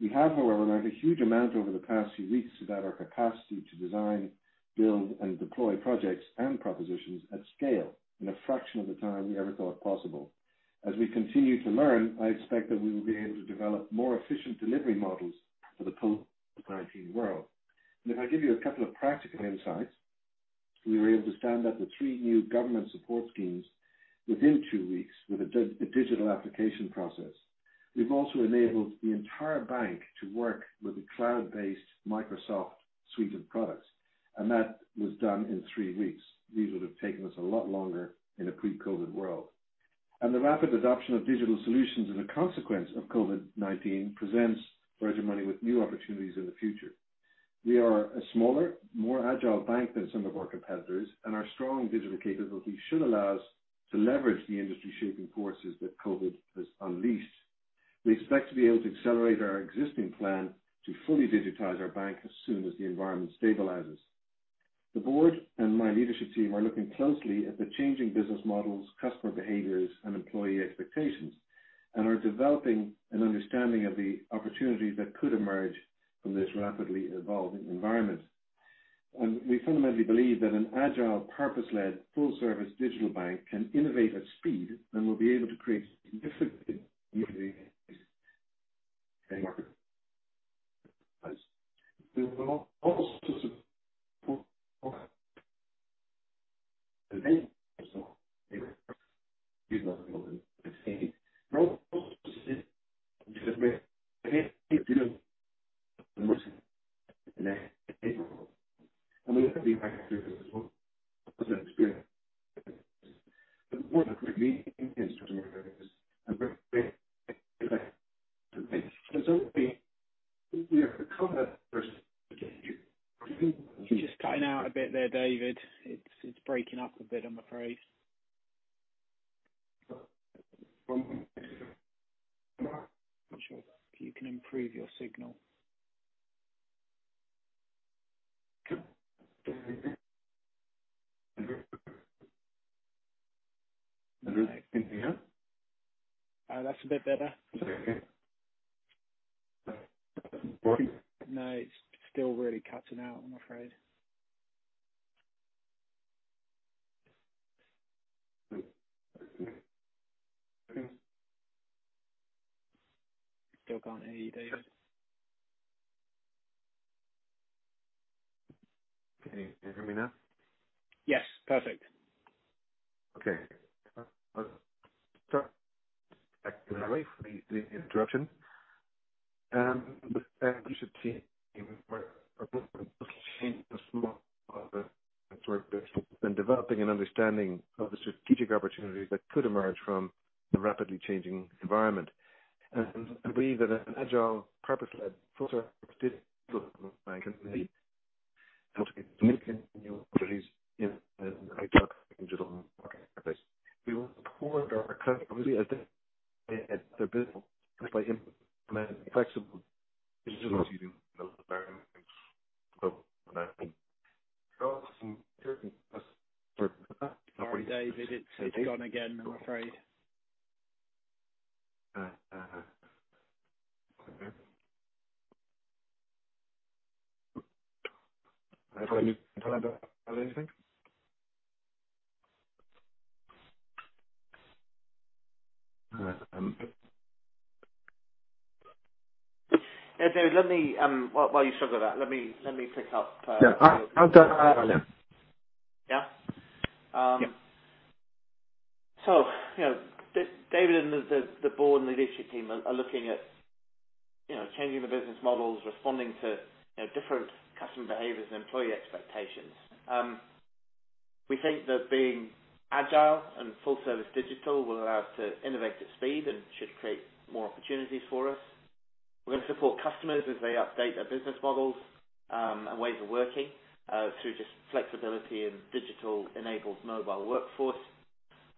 We have, however, learned a huge amount over the past few weeks about our capacity to design, build, and deploy projects and propositions at scale in a fraction of the time we ever thought possible. As we continue to learn, I expect that we will be able to develop more efficient delivery models for the post-COVID-19 world. If I give you a couple of practical insights, we were able to stand up the three new government support schemes within two weeks with a digital application process. We've also enabled the entire bank to work with a cloud-based Microsoft suite of products, and that was done in three weeks. These would have taken us a lot longer in a pre-COVID world. The rapid adoption of digital solutions as a consequence of COVID-19 presents Virgin Money with new opportunities in the future. We are a smaller, more agile bank than some of our competitors, and our strong digital capabilities should allow us to leverage the industry-shaping forces that COVID has unleashed. We expect to be able to accelerate our existing plan to fully digitize our bank as soon as the environment stabilizes. The board and my leadership team are looking closely at the changing business models, customer behaviors, and employee expectations, and are developing an understanding of the opportunities that could emerge from this rapidly evolving environment. We fundamentally believe that an agile, purpose-led, full-service digital bank can innovate at speed and will be able to create significant in the market. We will also support You're just cutting out a bit there, David. It's breaking up a bit, I'm afraid. Not sure if you can improve your signal. Can you hear me now? That's a bit better. No, it's still really cutting out, I'm afraid. We're going to support customers as they update their business models, and ways of working, through just flexibility and digital-enabled mobile workforce.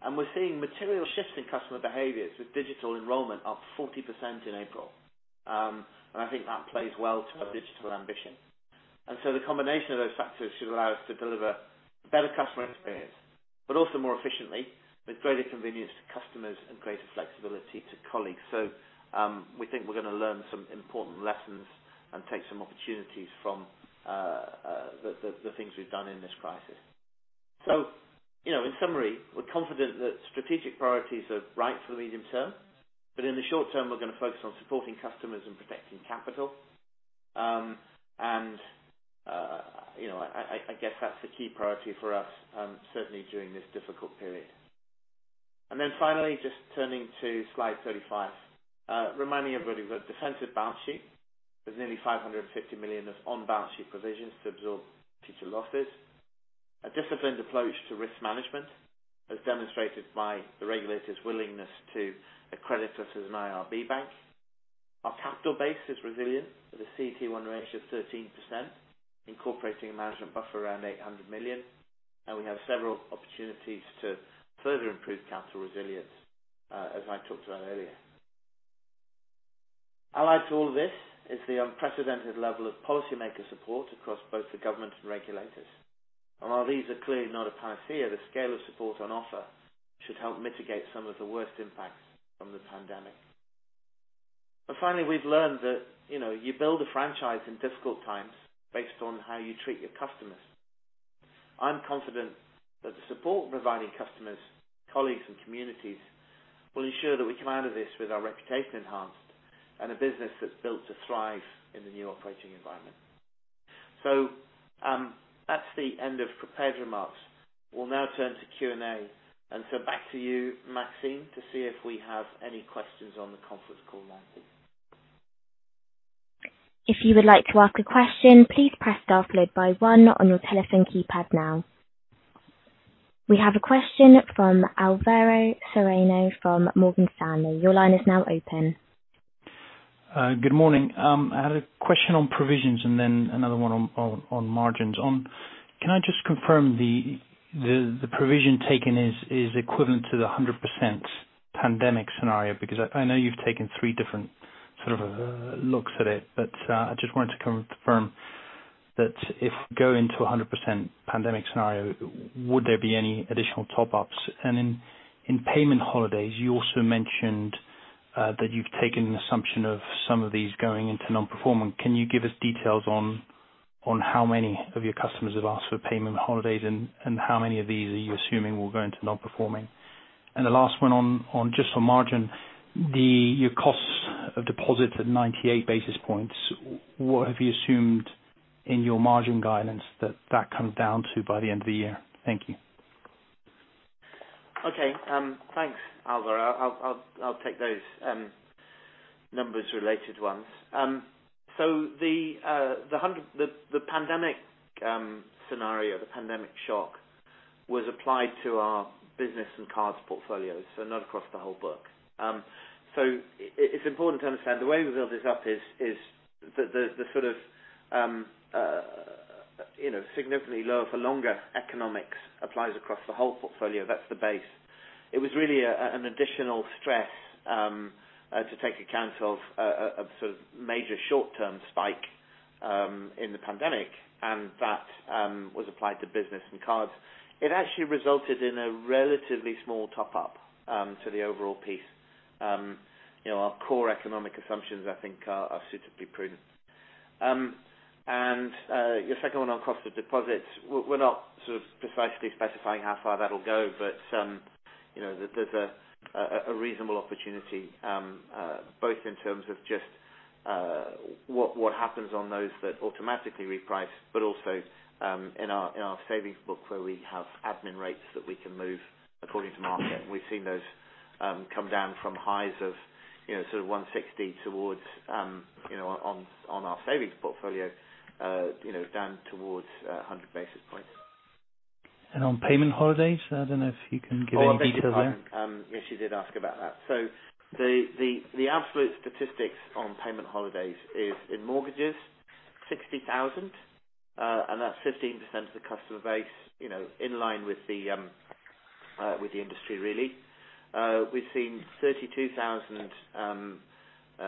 We're seeing material shifts in customer behaviors with digital enrollment up 40% in April. I think that plays well to our digital ambition. The combination of those factors should allow us to deliver a better customer experience, but also more efficiently, with greater convenience to customers and greater flexibility to colleagues. We think we're going to learn some important lessons and take some opportunities from the things we've done in this crisis. In summary, we're confident that strategic priorities are right for the medium term. In the short term, we're going to focus on supporting customers and protecting capital. I guess that's the key priority for us, certainly during this difficult period. Finally, just turning to slide 35. Reminding everybody we've got a defensive balance sheet. There's nearly 550 million of on-balance sheet provisions to absorb future losses. A disciplined approach to risk management, as demonstrated by the regulator's willingness to accredit us as an IRB bank. Our capital base is resilient with a CET1 ratio of 13%, incorporating a management buffer around 800 million. We have several opportunities to further improve capital resilience, as I talked about earlier. Allied to all this is the unprecedented level of policymaker support across both the government and regulators. While these are clearly not a panacea, the scale of support on offer should help mitigate some of the worst impacts from the pandemic. Finally, we've learned that you build a franchise in difficult times based on how you treat your customers. I'm confident that the support we're providing customers, colleagues, and communities will ensure that we come out of this with our reputation enhanced and a business that's built to thrive in the new operating environment. That's the end of prepared remarks. We'll now turn to Q&A. Back to you, Maxine, to see if we have any questions on the conference call now? If you would like to ask a question, please press star followed by one on your telephone keypad now. We have a question from Alvaro Serrano from Morgan Stanley. Your line is now open. Good morning. I had a question on provisions and then another one on margins. Can I just confirm the provision taken is equivalent to the 100% pandemic scenario? I know you've taken three different sort of looks at it, but I just wanted to confirm that if we go into 100% pandemic scenario, would there be any additional top-ups? In payment holidays, you also mentioned that you've taken an assumption of some of these going into non-performance. Can you give us details on how many of your customers have asked for payment holidays and how many of these are you assuming will go into non-performing? The last one on just on margin. Your cost of deposits at 98 basis points. What have you assumed in your margin guidance that that comes down to by the end of the year? Thank you. Okay. Thanks, Alvaro. I'll take those numbers-related ones. The pandemic scenario, the pandemic shock, was applied to our business and cards portfolios, so not across the whole book. It's important to understand the way we build this up is the sort of significantly lower for longer economics applies across the whole portfolio. That's the base. It was really an additional stress to take account of a sort of major short-term spike in the pandemic, and that was applied to business and cards. It actually resulted in a relatively small top-up to the overall piece. Our core economic assumptions, I think, are suitably prudent. Your second one on cost of deposits. We're not precisely specifying how far that'll go. There's a reasonable opportunity, both in terms of just what happens on those that automatically reprice, but also in our savings book where we have admin rates that we can move according to market. We've seen those come down from highs of sort of 160 towards, on our savings portfolio, down towards 100 basis points. On payment holidays, I don't know if you can give any detail there. I beg your pardon. Yes, you did ask about that. The absolute statistics on payment holidays is in mortgages, 60,000. That's 15% of the customer base, in line with the industry really. We've seen 32,000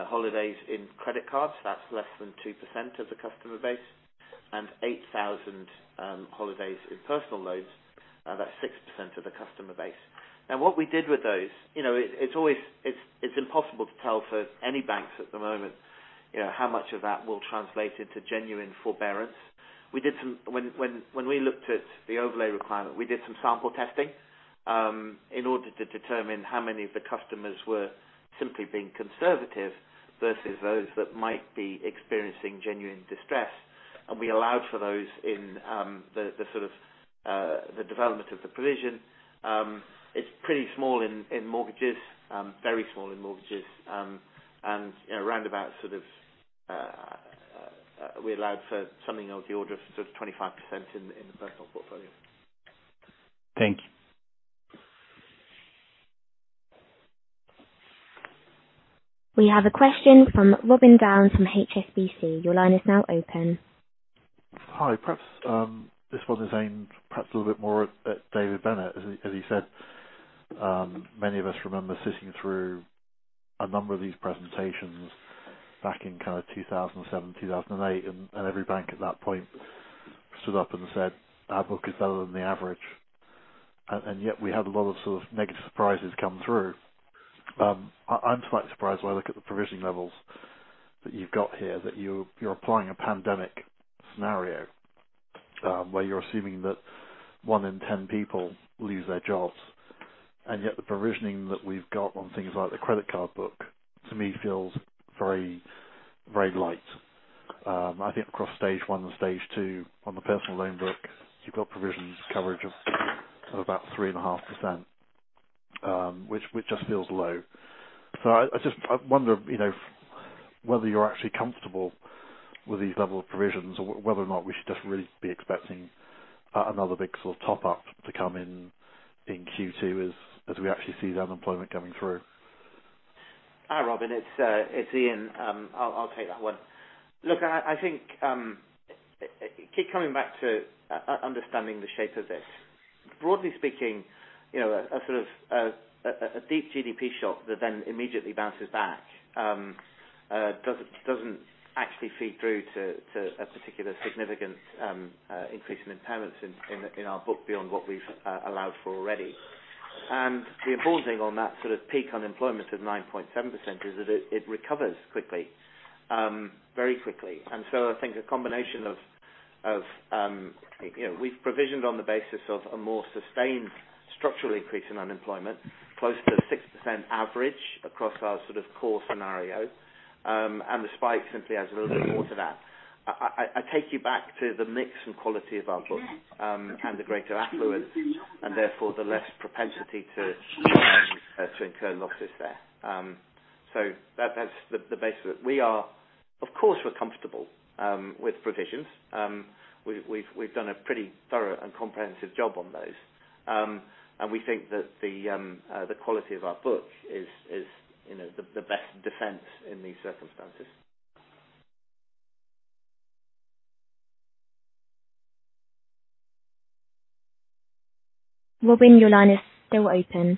holidays in credit cards. That's less than 2% of the customer base. 8,000 holidays in personal loans. That's 6% of the customer base. What we did with those, it's impossible to tell for any banks at the moment, how much of that will translate into genuine forbearance. When we looked at the overlay requirement, we did some sample testing, in order to determine how many of the customers were simply being conservative versus those that might be experiencing genuine distress. We allowed for those in the development of the provision. It's pretty small in mortgages, very small in mortgages. Roundabout we allowed for something of the order of 25% in the personal portfolio. Thank you. We have a question from Robin Down from HSBC. Your line is now open. Hi. Perhaps this one is aimed perhaps a little bit more at David Bennett, as he said. Many of us remember sitting through a number of these presentations back in kind of 2007, 2008. Every bank at that point stood up and said, "Our book is better than the average." Yet we had a lot of sort of negative surprises come through. I'm slightly surprised when I look at the provisioning levels that you've got here, that you're applying a pandemic scenario. Where you're assuming that one in 10 people lose their jobs, yet the provisioning that we've got on things like the credit card book, to me feels very light. I think across stage 1 and stage 2 on the personal loan book, you've got provisions coverage of about 3.5%, which just feels low. I wonder whether you're actually comfortable with these level of provisions or whether or not we should just really be expecting another big sort of top-up to come in in Q2 as we actually see the unemployment coming through? Hi, Robin. It's Ian. I'll take that one. Look, I think keep coming back to understanding the shape of this. Broadly speaking, a sort of a deep GDP shock that then immediately bounces back, doesn't actually feed through to a particular significant increase in impairments in our book beyond what we've allowed for already. The important thing on that sort of peak unemployment of 9.7% is that it recovers quickly, very quickly. I think a combination of we've provisioned on the basis of a more sustained structural increase in unemployment, close to 6% average across our sort of core scenario. The spike simply adds a little bit more to that. I take you back to the mix and quality of our book, and the greater affluence, and therefore the less propensity to incur losses there. That's the basis. Of course, we're comfortable with provisions. We've done a pretty thorough and comprehensive job on those. We think that the quality of our book is the best defense in these circumstances. Robin, your line is still open.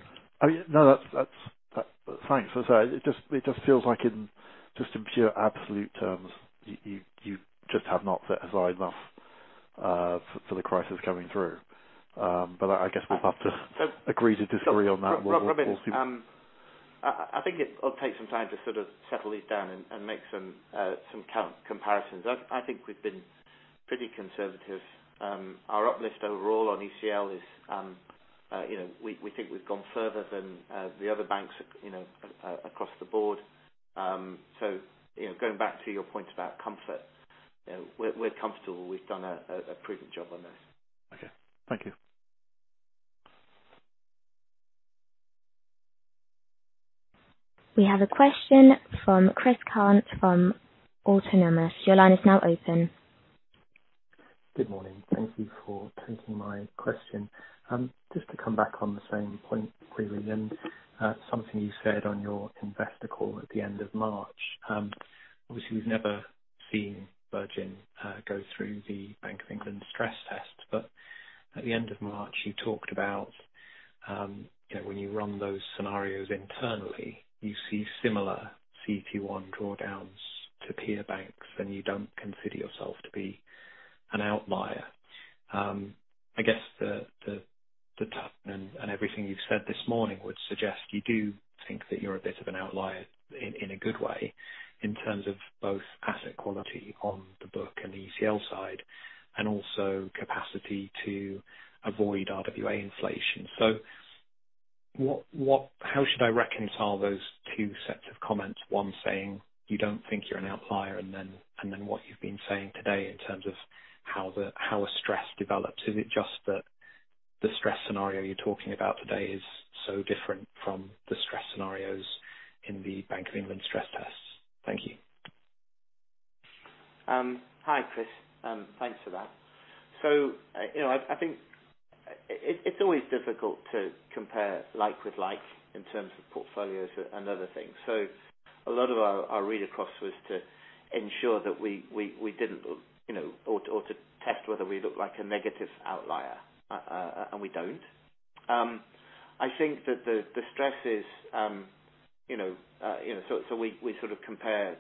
Thanks. It just feels like in just in pure absolute terms, you just have not set aside enough for the crisis coming through. I guess we'll have to agree to disagree on that. Robin, I think it'll take some time to sort of settle these down and make some comparisons. I think we've been pretty conservative. Our uplift overall on ECL is we think we've gone further than the other banks across the board. Going back to your point about comfort, we're comfortable. We've done a prudent job on this. Okay. Thank you. We have a question from Chris Cant from Autonomous. Your line is now open. Good morning. Thank you for taking my question. To come back on the same point really, something you said on your investor call at the end of March. We've never seen Virgin go through the Bank of England stress test. At the end of March, you talked about when you run those scenarios internally, you see similar CET1 drawdowns to peer banks, you don't consider yourself to be an outlier. I guess the tone and everything you've said this morning would suggest you do think that you're a bit of an outlier in a good way in terms of both asset quality on the book and the ECL side, also capacity to avoid RWA inflation. How should I reconcile those two sets of comments, one saying you don't think you're an outlier, and then what you've been saying today in terms of how a stress develops. Is it just that the stress scenario you're talking about today is so different from the stress scenarios in the Bank of England stress tests? Thank you. Hi, Chris. Thanks for that. I think it's always difficult to compare like with like in terms of portfolios and other things. A lot of our read across was to ensure or to test whether we look like a negative outlier, and we don't. We compare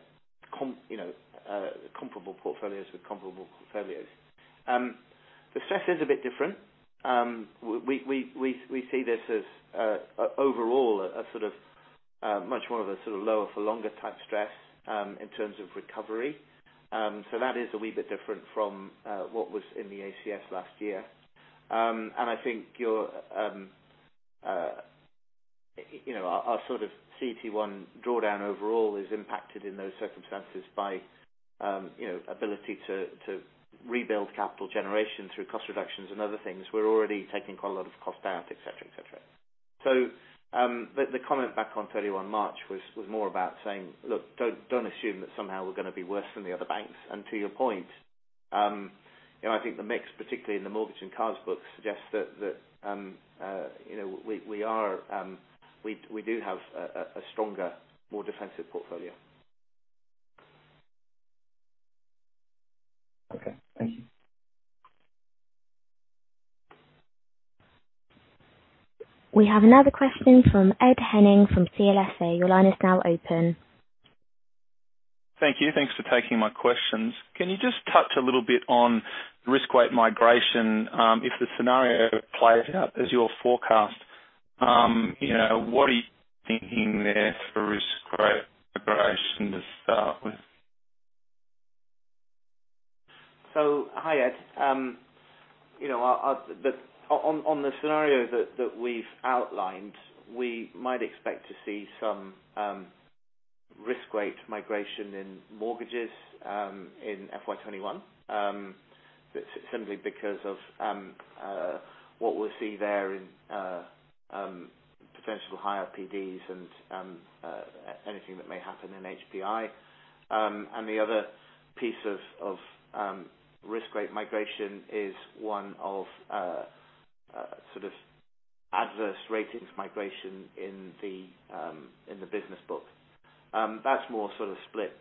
comparable portfolios with comparable portfolios. The stress is a bit different. We see this as overall a much more of a sort of lower for longer type stress, in terms of recovery. That is a wee bit different from what was in the ACS last year. I think our sort of CET1 drawdown overall is impacted in those circumstances by ability to rebuild capital generation through cost reductions and other things. We're already taking quite a lot of cost out, et cetera. The comment back on 31 March was more about saying, look, don't assume that somehow we're going to be worse than the other banks. To your point, I think the mix, particularly in the mortgage and cards book, suggests that we do have a stronger, more defensive portfolio. Okay. Thank you. We have another question from Ed Henning from CLSA. Your line is now open. Thank you. Thanks for taking my questions. Can you just touch a little bit on risk weight migration? If the scenario plays out as your forecast, what are you thinking there for risk weight migration to start with? Hi, Ed. On the scenario that we've outlined, we might expect to see some risk weight migration in mortgages in FY 2021. Simply because of what we'll see there in potential higher PDs and anything that may happen in HPI. The other piece of risk weight migration is one of adverse ratings migration in the business book. That's more sort of split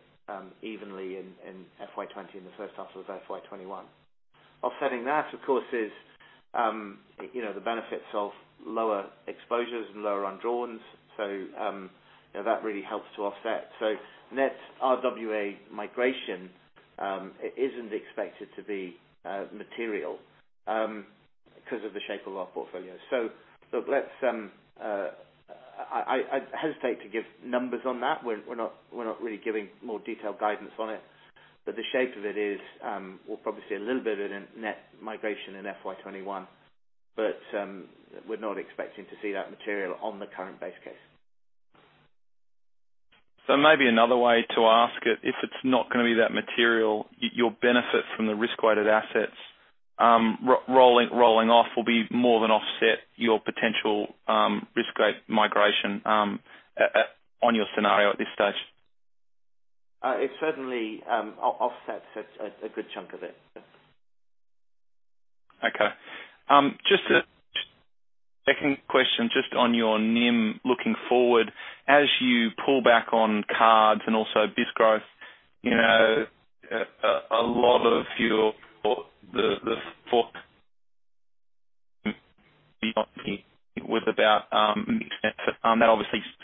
evenly in FY 2020 and the first half of FY 2021. Offsetting that, of course, is the benefits of lower exposures and lower undrawns. That really helps to offset. Net RWA migration isn't expected to be material because of the shape of our portfolio. I hesitate to give numbers on that. We're not really giving more detailed guidance on it, but the shape of it is, we'll probably see a little bit of a net migration in FY 2021, but we're not expecting to see that material on the current base case. Maybe another way to ask it, if it's not going to be that material, your benefit from the risk-weighted assets rolling off will be more than offset your potential risk weight migration on your scenario at this stage. It certainly offsets a good chunk of it. Okay. Just a second question just on your NIM looking forward. As you pull back on cards and also biz growth, a lot of you with about mixed.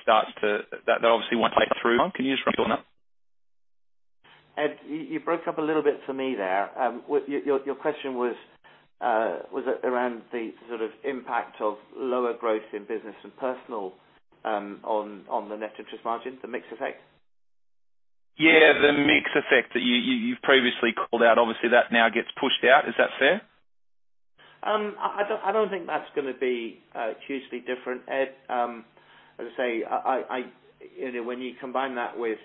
That obviously won't play through. Can you just repeat on that? Ed, you broke up a little bit for me there. Your question was around the impact of lower growth in business and personal on the net interest margin, the mix effect? Yeah, the mix effect that you've previously called out. Obviously, that now gets pushed out. Is that fair? I don't think that's going to be hugely different, Ed. As I say, when you combine that with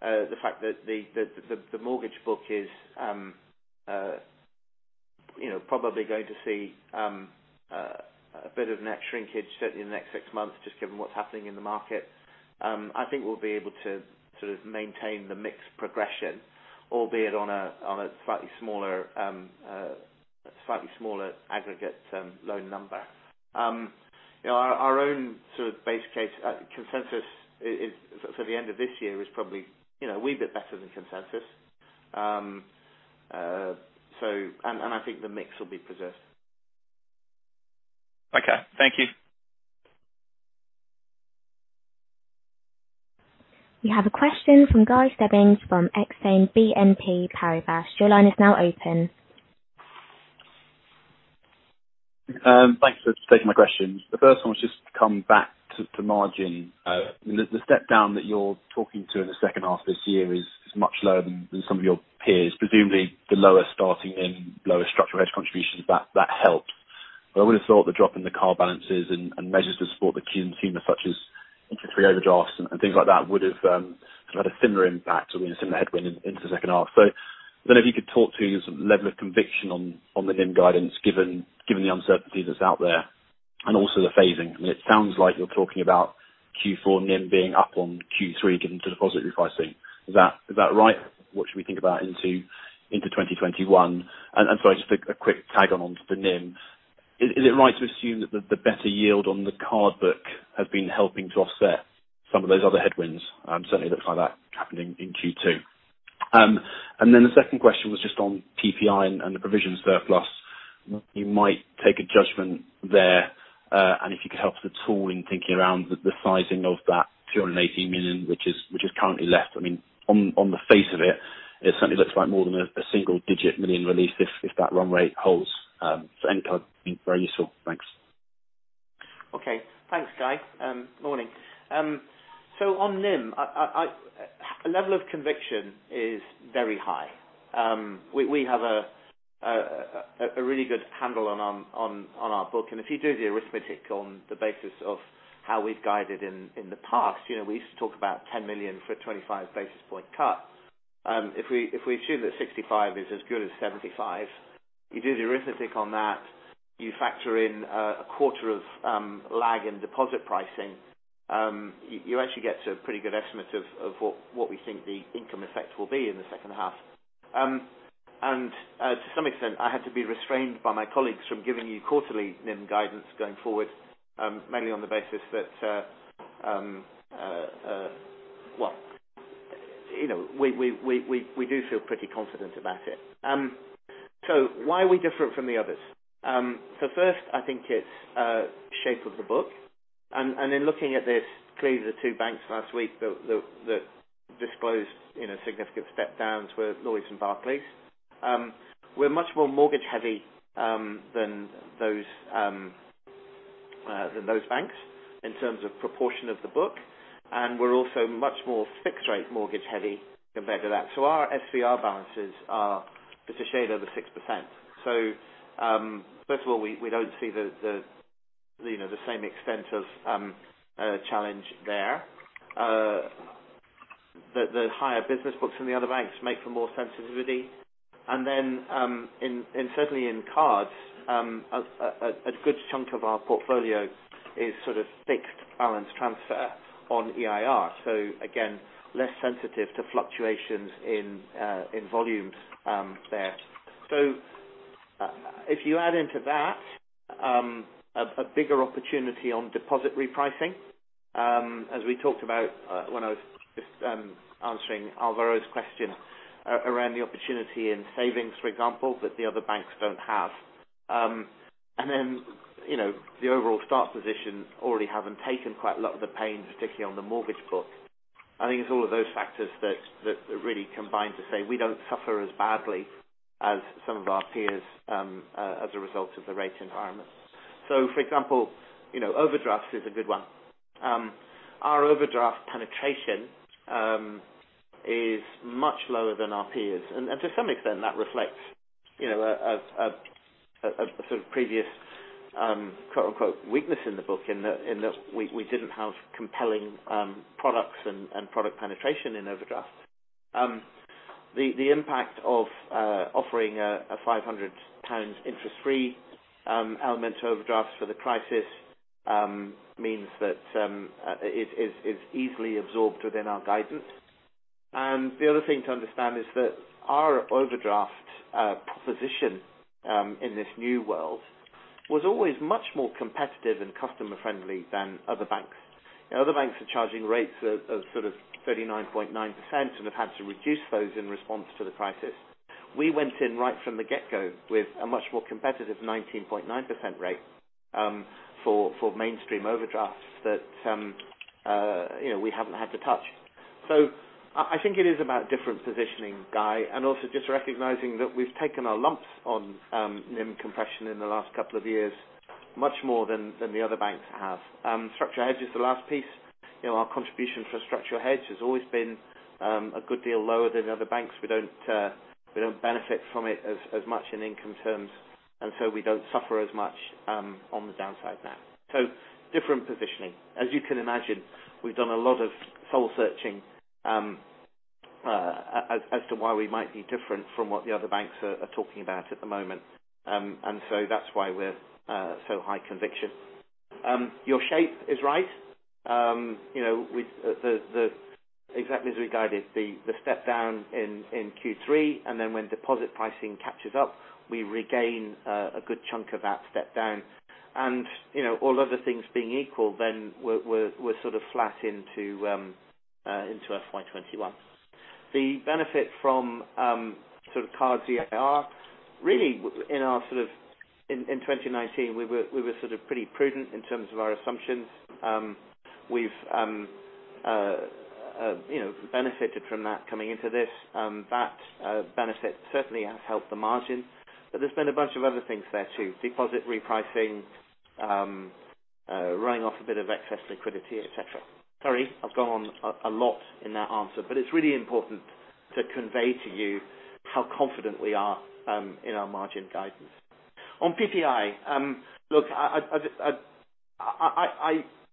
the fact that the mortgage book is probably going to see a bit of net shrinkage certainly in the next six months, just given what's happening in the market. I think we'll be able to maintain the mix progression, albeit on a slightly smaller aggregate loan number. Our own base case consensus for the end of this year is probably a wee bit better than consensus. I think the mix will be preserved. Okay. Thank you. We have a question from Guy Stebbings from Exane BNP Paribas. Your line is now open. Thanks for taking my questions. The first one was just to come back to margin. The step down that you're talking to in the second half of this year is much lower than some of your peers. Presumably, the lower starting and lower structural hedge contributions, that helped. I would have thought the drop in the card balances and measures to support the consumer, such as interest-free overdrafts and things like that, would have had a thinner impact or a thinner headwind into the second half. I don't know if you could talk to your level of conviction on the NIM guidance, given the uncertainty that's out there and also the phasing. I mean, it sounds like you're talking about Q4 NIM being up on Q3, given the deposit repricing. Is that right? What should we think about into 2021? Sorry, just a quick tag on to the NIM. Is it right to assume that the better yield on the card book has been helping to offset some of those other headwinds? It certainly looks like that happening in Q2. The second question was just on PPI and the provision surplus. You might take a judgment there. If you could help at all in thinking around the sizing of that 280 million, which is currently less. I mean, on the face of it certainly looks like more than a single digit million release if that run rate holds. Any comment would be very useful. Thanks. Okay. Thanks, Guy. Morning. On NIM, our level of conviction is very high. We have a really good handle on our book, and if you do the arithmetic on the basis of how we've guided in the past, we used to talk about 10 million for a 25-basis point cut. If we assume that 65 is as good as 75, you do the arithmetic on that, you factor in a quarter of lag in deposit pricing, you actually get to a pretty good estimate of what we think the income effect will be in the second half. And to some extent, I had to be restrained by my colleagues from giving you quarterly NIM guidance going forward, mainly on the basis that we do feel pretty confident about it. Why are we different from the others? First, I think it's shape of the book. In looking at this, clearly the two banks last week that disclosed significant step downs were Lloyds and Barclays. We're much more mortgage heavy than those banks in terms of proportion of the book, and we're also much more fixed rate mortgage heavy compared to that. Our SVR balances are just a shade over 6%. First of all, we don't see the same extent of challenge there. The higher business books from the other banks make for more sensitivity. Certainly in cards, a good chunk of our portfolio is sort of fixed balance transfer on EIR. Again, less sensitive to fluctuations in volumes there. If you add into that a bigger opportunity on deposit repricing, as we talked about when I was just answering Alvaro's question around the opportunity in savings, for example, that the other banks don't have. The overall start position already having taken quite a lot of the pain, particularly on the mortgage book. I think it's all of those factors that really combine to say we don't suffer as badly as some of our peers as a result of the rate environment. For example, overdrafts is a good one. Our overdraft penetration is much lower than our peers. To some extent, that reflects a sort of previous "weakness" in the book in that we didn't have compelling products and product penetration in overdrafts. The impact of offering a 500 pound interest-free element to overdrafts for the crisis means that it's easily absorbed within our guidance. The other thing to understand is that our overdraft proposition in this new world was always much more competitive and customer friendly than other banks. Other banks are charging rates of 39.9% and have had to reduce those in response to the crisis. We went in right from the get-go with a much more competitive 19.9% rate for mainstream overdrafts that we haven't had to touch. I think it is about different positioning, Guy, and also just recognizing that we've taken our lumps on NIM compression in the last couple of years, much more than the other banks have. Structural hedge is the last piece. Our contribution for structural hedge has always been a good deal lower than other banks. We don't benefit from it as much in income terms, and so we don't suffer as much on the downside there. Different positioning. As you can imagine, we've done a lot of soul searching as to why we might be different from what the other banks are talking about at the moment. That's why we're so high conviction. Your shape is right. Exactly as we guided, the step down in Q3, when deposit pricing catches up, we regain a good chunk of that step down. All other things being equal, we're sort of flat into FY 2021. The benefit from card EIR, really in 2019, we were pretty prudent in terms of our assumptions. We've benefited from that coming into this. That benefit certainly has helped the margin. There's been a bunch of other things there, too. Deposit repricing. Running off a bit of excess liquidity, et cetera. Sorry, I've gone on a lot in that answer, it's really important to convey to you how confident we are in our margin guidance. On PPI,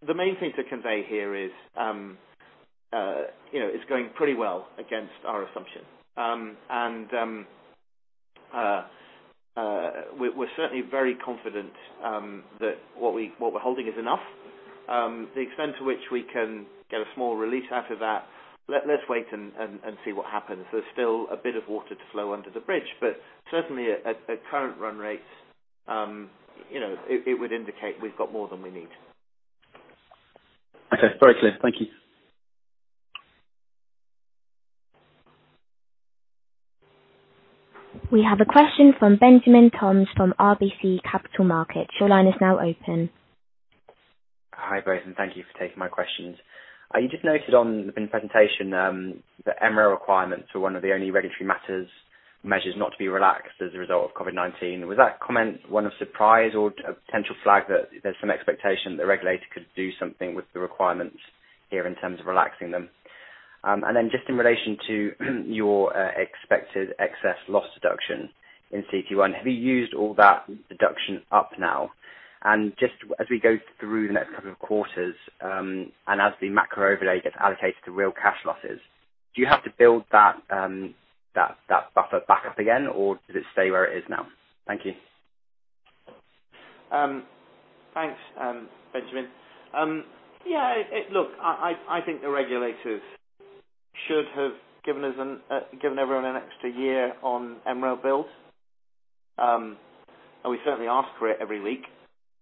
the main thing to convey here is it's going pretty well against our assumption. We're certainly very confident that what we're holding is enough. The extent to which we can get a small release out of that, let's wait and see what happens. There's still a bit of water to flow under the bridge, but certainly at current run rates it would indicate we've got more than we need. Okay. Very clear. Thank you. We have a question from Benjamin Toms from RBC Capital Markets. Your line is now open. Hi both, thank you for taking my questions. You just noted on the presentation the MREL requirement for one of the only regulatory matters measures not to be relaxed as a result of COVID-19. Was that comment one of surprise or a potential flag that there's some expectation that the regulator could do something with the requirements here in terms of relaxing them? Just in relation to your expected excess loss deduction in CET1, have you used all that deduction up now? Just as we go through the next couple of quarters, and as the macro overlay gets allocated to real cash losses, do you have to build that buffer back up again, or does it stay where it is now? Thank you. Thanks, Benjamin. I think the regulators should have given everyone an extra year on MREL build. We certainly ask for it every week.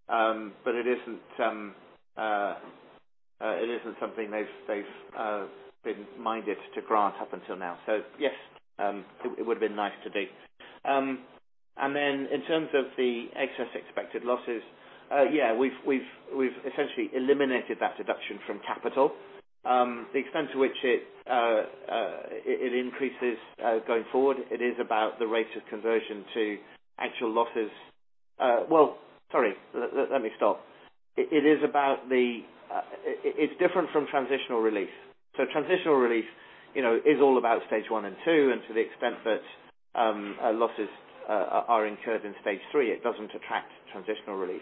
It isn't something they've been minded to grant up until now. Yes, it would have been nice to be. In terms of the excess expected losses, we've essentially eliminated that deduction from capital. The extent to which it increases going forward, it is about the rate of conversion to actual losses. Sorry, let me stop. It's different from transitional relief. Transitional relief is all about stage 1 and 2, and to the extent that losses are incurred in stage 3, it doesn't attract transitional relief.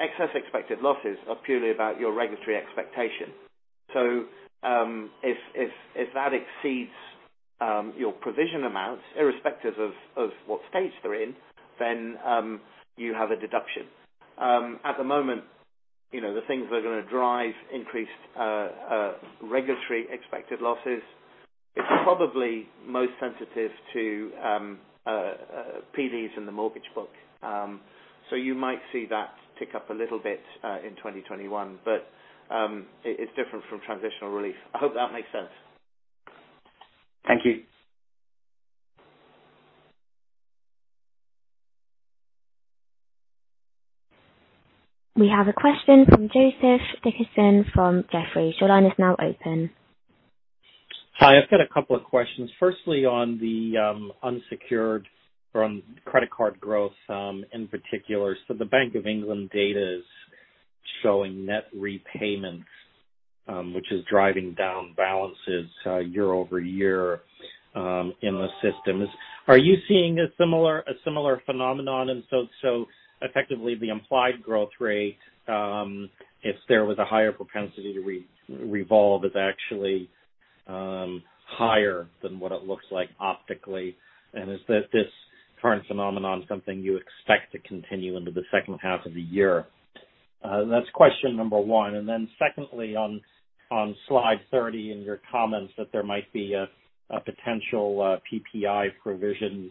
Excess expected losses are purely about your regulatory expectation. If that exceeds your provision amounts, irrespective of what stage they're in, then you have a deduction. At the moment, the things that are going to drive increased regulatory expected losses, it's probably most sensitive to PDs in the mortgage book. You might see that tick up a little bit in 2021. It's different from transitional relief. I hope that makes sense. Thank you. We have a question from Joseph Dickerson from Jefferies. Your line is now open. Hi. I've got a couple of questions. Firstly, on the unsecured from credit card growth, in particular. The Bank of England data is showing net repayments, which is driving down balances year-over-year in the systems. Are you seeing a similar phenomenon? Effectively the implied growth rate, if there was a higher propensity to revolve, is actually higher than what it looks like optically. Is this current phenomenon something you expect to continue into the second half of the year? That's question number one. Secondly, on slide 30 in your comments that there might be a potential PPI provision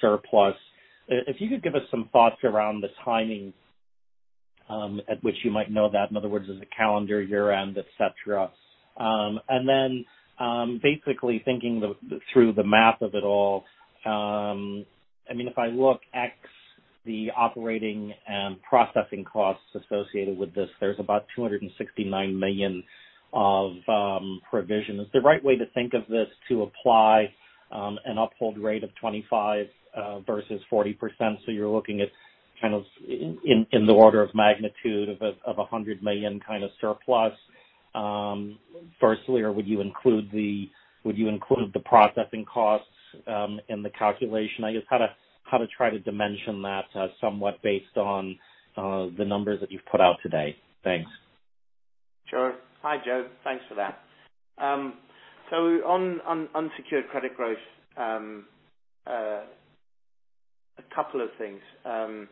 surplus. If you could give us some thoughts around the timing at which you might know that. In other words, is it calendar, year-end, et cetera? Basically thinking through the math of it all. If I look at the operating and processing costs associated with this, there's about 269 million of provision. Is the right way to think of this to apply an uphold rate of 25% versus 40% so you're looking at in the order of magnitude of 100 million kind of surplus firstly, or would you include the processing costs in the calculation? I guess how to try to dimension that somewhat based on the numbers that you've put out today. Thanks. Sure. Hi, Joe. Thanks for that. On unsecured credit growth, a couple of things and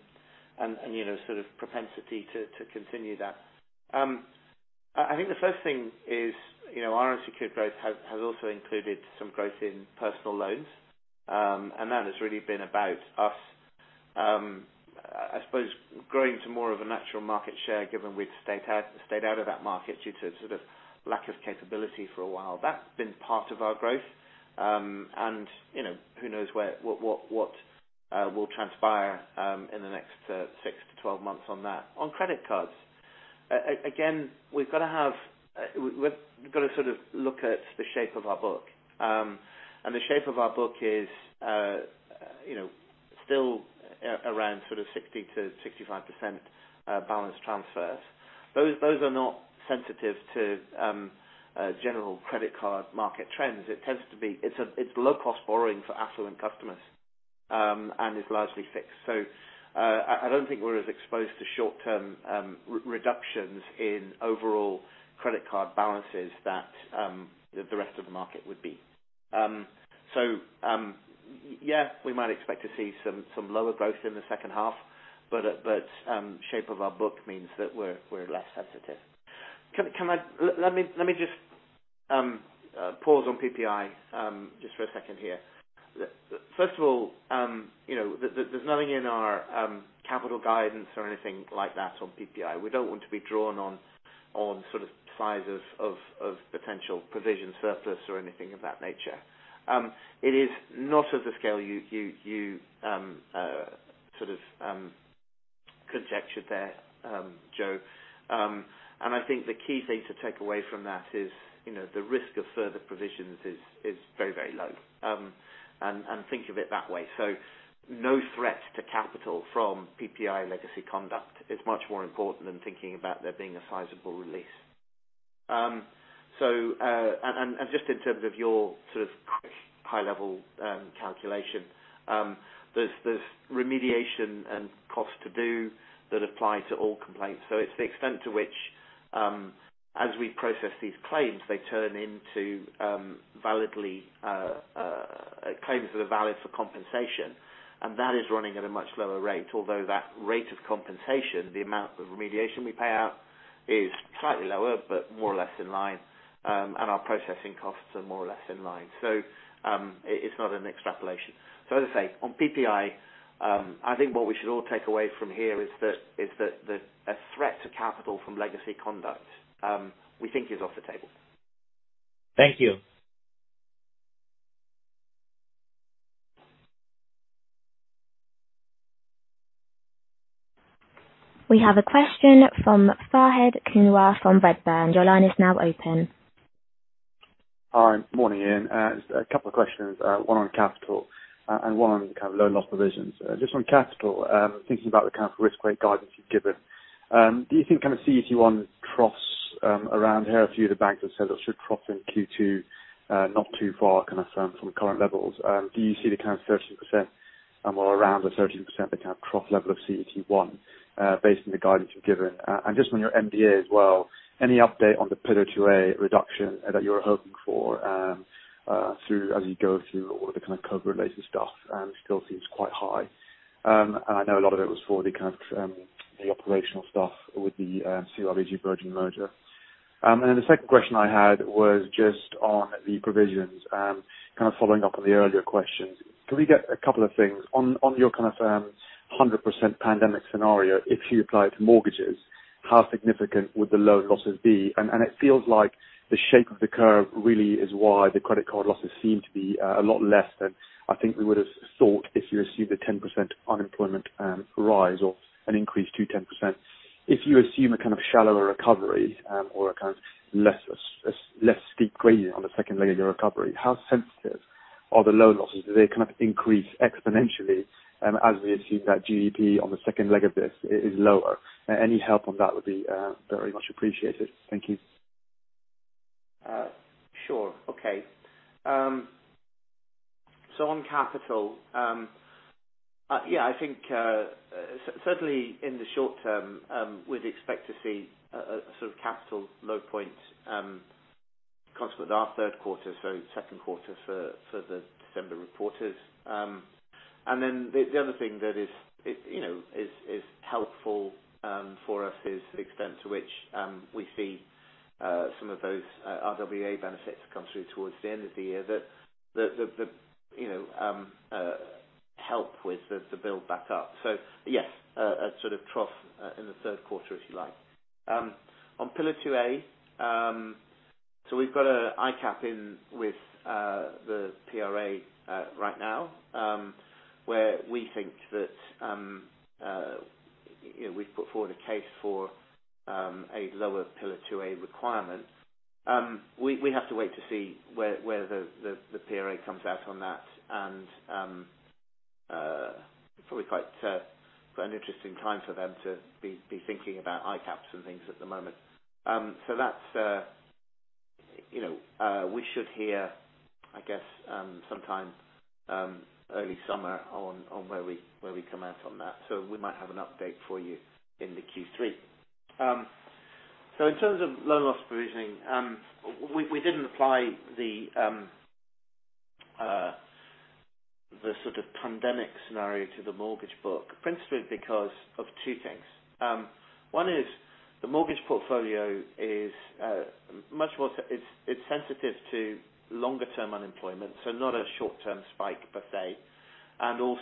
propensity to continue that. I think the first thing is our unsecured growth has also included some growth in personal loans. That has really been about us I suppose growing to more of a natural market share given we've stayed out of that market due to sort of lack of capability for a while. That's been part of our growth. Who knows what will transpire in the next 6-12 months on that. On credit cards. We've got to sort of look at the shape of our book. The shape of our book is still around 60%-65% balance transfers. Those are not sensitive to general credit card market trends. It's low-cost borrowing for affluent customers, and is largely fixed. I don't think we're as exposed to short-term reductions in overall credit card balances that the rest of the market would be. Yeah, we might expect to see some lower growth in the second half, but shape of our book means that we're less sensitive. Let me just pause on PPI just for a second here. First of all, there's nothing in our capital guidance or anything like that on PPI. We don't want to be drawn on sort of sizes of potential provision surplus or anything of that nature. It is not at the scale you sort of conjectured there, Joe. I think the key thing to take away from that is the risk of further provisions is very low. Think of it that way. No threat to capital from PPI legacy conduct is much more important than thinking about there being a sizable release. Just in terms of your sort of high-level calculation, there is remediation and cost to do that apply to all complaints. It is the extent to which, as we process these claims, they turn into claims that are valid for compensation. That is running at a much lower rate, although that rate of compensation, the amount of remediation we pay out, is slightly lower, but more or less in line. Our processing costs are more or less in line. It is not an extrapolation. As I say, on PPI, I think what we should all take away from here is that, a threat to capital from legacy conduct, we think is off the table. Thank you. We have a question from Fahed Kunwar from Redburn. Your line is now open. Hi. Morning, Ian. Just a couple of questions, one on capital and one on kind of loan loss provisions. Just on capital, thinking about the kind of risk weight guidance you've given. Do you think kind of CET1 cross around here, a few of the banks have said that should trough in Q2, not too far can I assume from the current levels. Do you see the kind of 13% and more around the 13% the kind of trough level of CET1, based on the guidance you've given? Just on your MDA as well, any update on the Pillar 2A reduction that you were hoping for as you go through all of the kind of COVID related stuff and still seems quite high. I know a lot of it was for the operational stuff with the CYBG Virgin merger. The second question I had was just on the provisions. Kind of following up on the earlier questions. Can we get a couple of things? On your kind of 100% pandemic scenario, if you apply it to mortgages, how significant would the loan losses be? It feels like the shape of the curve really is why the credit card losses seem to be a lot less than I think we would have thought if you assume a 10% unemployment rise or an increase to 10%. If you assume a kind of shallower recovery or a kind of less steep gradient on the second leg of your recovery, how sensitive are the loan losses? Do they kind of increase exponentially as we assume that GDP on the second leg of this is lower? Any help on that would be very much appreciated. Thank you. Sure. Okay. On capital. Yeah, I think certainly in the short term, we'd expect to see a sort of capital low point consequent to our third quarter, so second quarter for the December reporters. The other thing that is helpful for us is the extent to which we see some of those RWA benefits come through towards the end of the year. The help with the build back up. Yes, a sort of trough in the third quarter, if you like. On Pillar 2A, we've got a ICAAP in with the PRA right now, where we think that we've put forward a case for a lower Pillar 2A requirement. We have to wait to see where the PRA comes out on that. It's probably quite an interesting time for them to be thinking about ICAAPs and things at the moment. We should hear, I guess, sometime early summer on where we come out on that. We might have an update for you in the Q3. In terms of loan loss provisioning, we didn't apply the sort of pandemic scenario to the mortgage book principally because of two things. One is the mortgage portfolio is sensitive to longer term unemployment, so not a short-term spike per se. House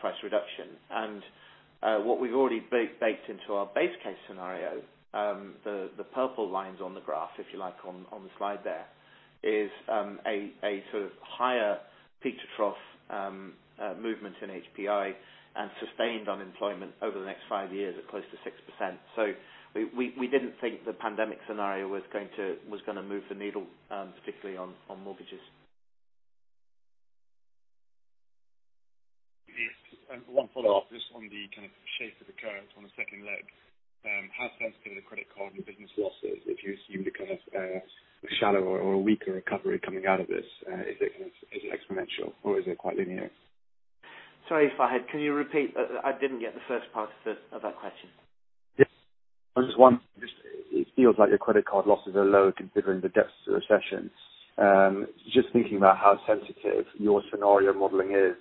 price reduction. What we've already baked into our base case scenario, the purple lines on the graph, if you like, on the slide there, is a sort of higher peak to trough movement in HPI and sustained unemployment over the next five years at close to 6%. We didn't think the pandemic scenario was going to move the needle, particularly on mortgages. Yes. One follow-up just on the kind of shape of the curve on the second leg. How sensitive are credit card and business losses if you assume a kind of a shallower or a weaker recovery coming out of this? Is it exponential or is it quite linear? Sorry, Fahed. Can you repeat? I didn't get the first part of that question. Yeah. I just wonder, it feels like your credit card losses are low considering the depth of the recession. Just thinking about how sensitive your scenario modeling is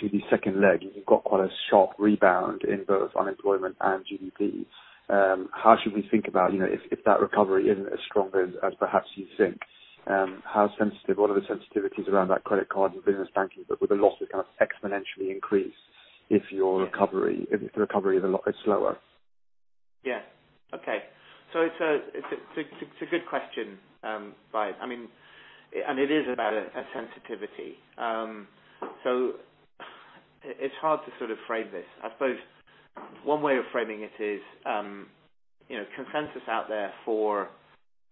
to the second leg. You've got quite a sharp rebound in both unemployment and GDP. How should we think about if that recovery isn't as strong as perhaps you think? How sensitive, what are the sensitivities around that credit card and business banking, but with the losses kind of exponentially increase if the recovery is a lot slower? Yeah. Okay. It's a good question, Fahed. It is about a sensitivity. It's hard to sort of frame this. I suppose one way of framing it is consensus out there for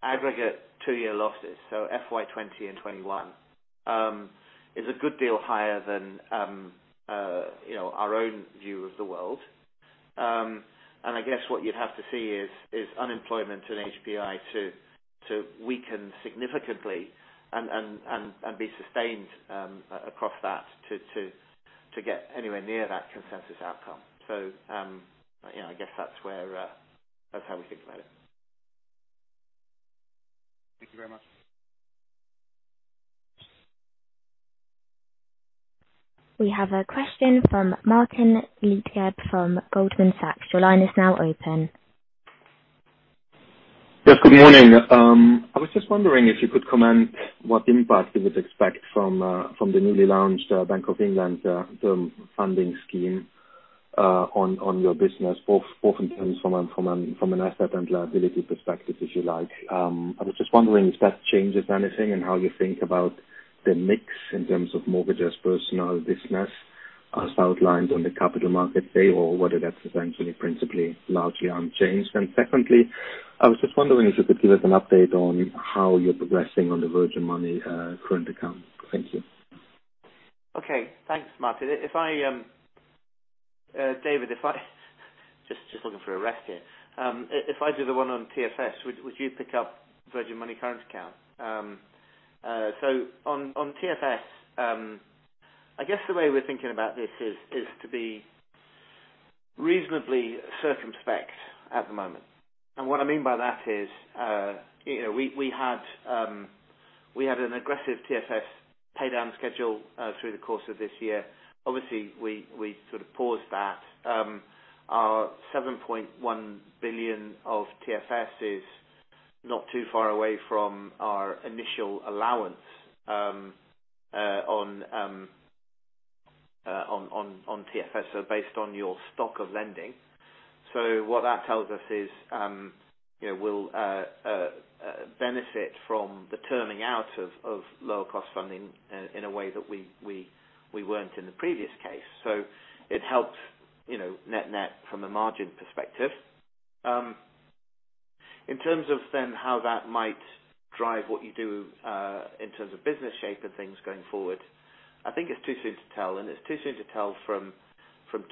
aggregate two-year losses, FY 2020 and 2021, is a good deal higher than our own view of the world. I guess what you'd have to see is unemployment and HPI to weaken significantly and be sustained across that to get anywhere near that consensus outcome. I guess that's how we think about it. Thank you very much. We have a question from Martin Leitgeb from Goldman Sachs. Your line is now open. Yes, good morning. I was just wondering if you could comment what impact you would expect from the newly launched Bank of England Term Funding Scheme on your business both in terms from an asset and liability perspective, if you like. I was just wondering if that changes anything and how you think about the mix in terms of mortgages versus now business as outlined on the Capital Markets Day, or whether that's essentially principally largely unchanged. Secondly, I was just wondering if you could give us an update on how you're progressing on the Virgin Money current account. Thank you. Okay. Thanks, Martin. David, just looking for a rest here. If I do the one on TFS, would you pick up Virgin Money current account? On TFS, I guess the way we're thinking about this is to be reasonably circumspect at the moment. What I mean by that is we had an aggressive TFS pay down schedule through the course of this year. Obviously, we sort of paused that. Our 7.1 billion of TFS is not too far away from our initial allowance on TFS. Based on your stock of lending. What that tells us is we'll benefit from the terming out of lower cost funding in a way that we weren't in the previous case. It helps net-net from a margin perspective. In terms of then how that might drive what you do in terms of business shape and things going forward, I think it's too soon to tell, and it's too soon to tell from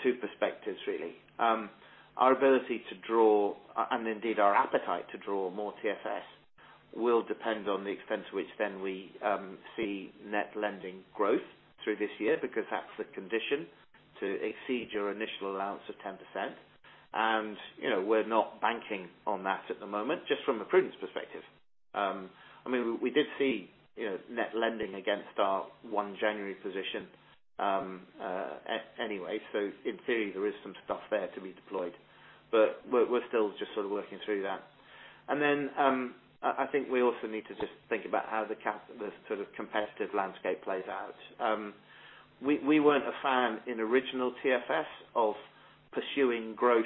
two perspectives really. Our ability to draw, and indeed our appetite to draw more TFS will depend on the extent to which then we see net lending growth through this year, because that's the condition to exceed your initial allowance of 10%. We're not banking on that at the moment, just from a prudence perspective. We did see net lending against our 1 January position anyway. In theory, there is some stuff there to be deployed, but we're still just sort of working through that. Then I think we also need to just think about how the sort of competitive landscape plays out. We weren't a fan in original TFS of pursuing growth,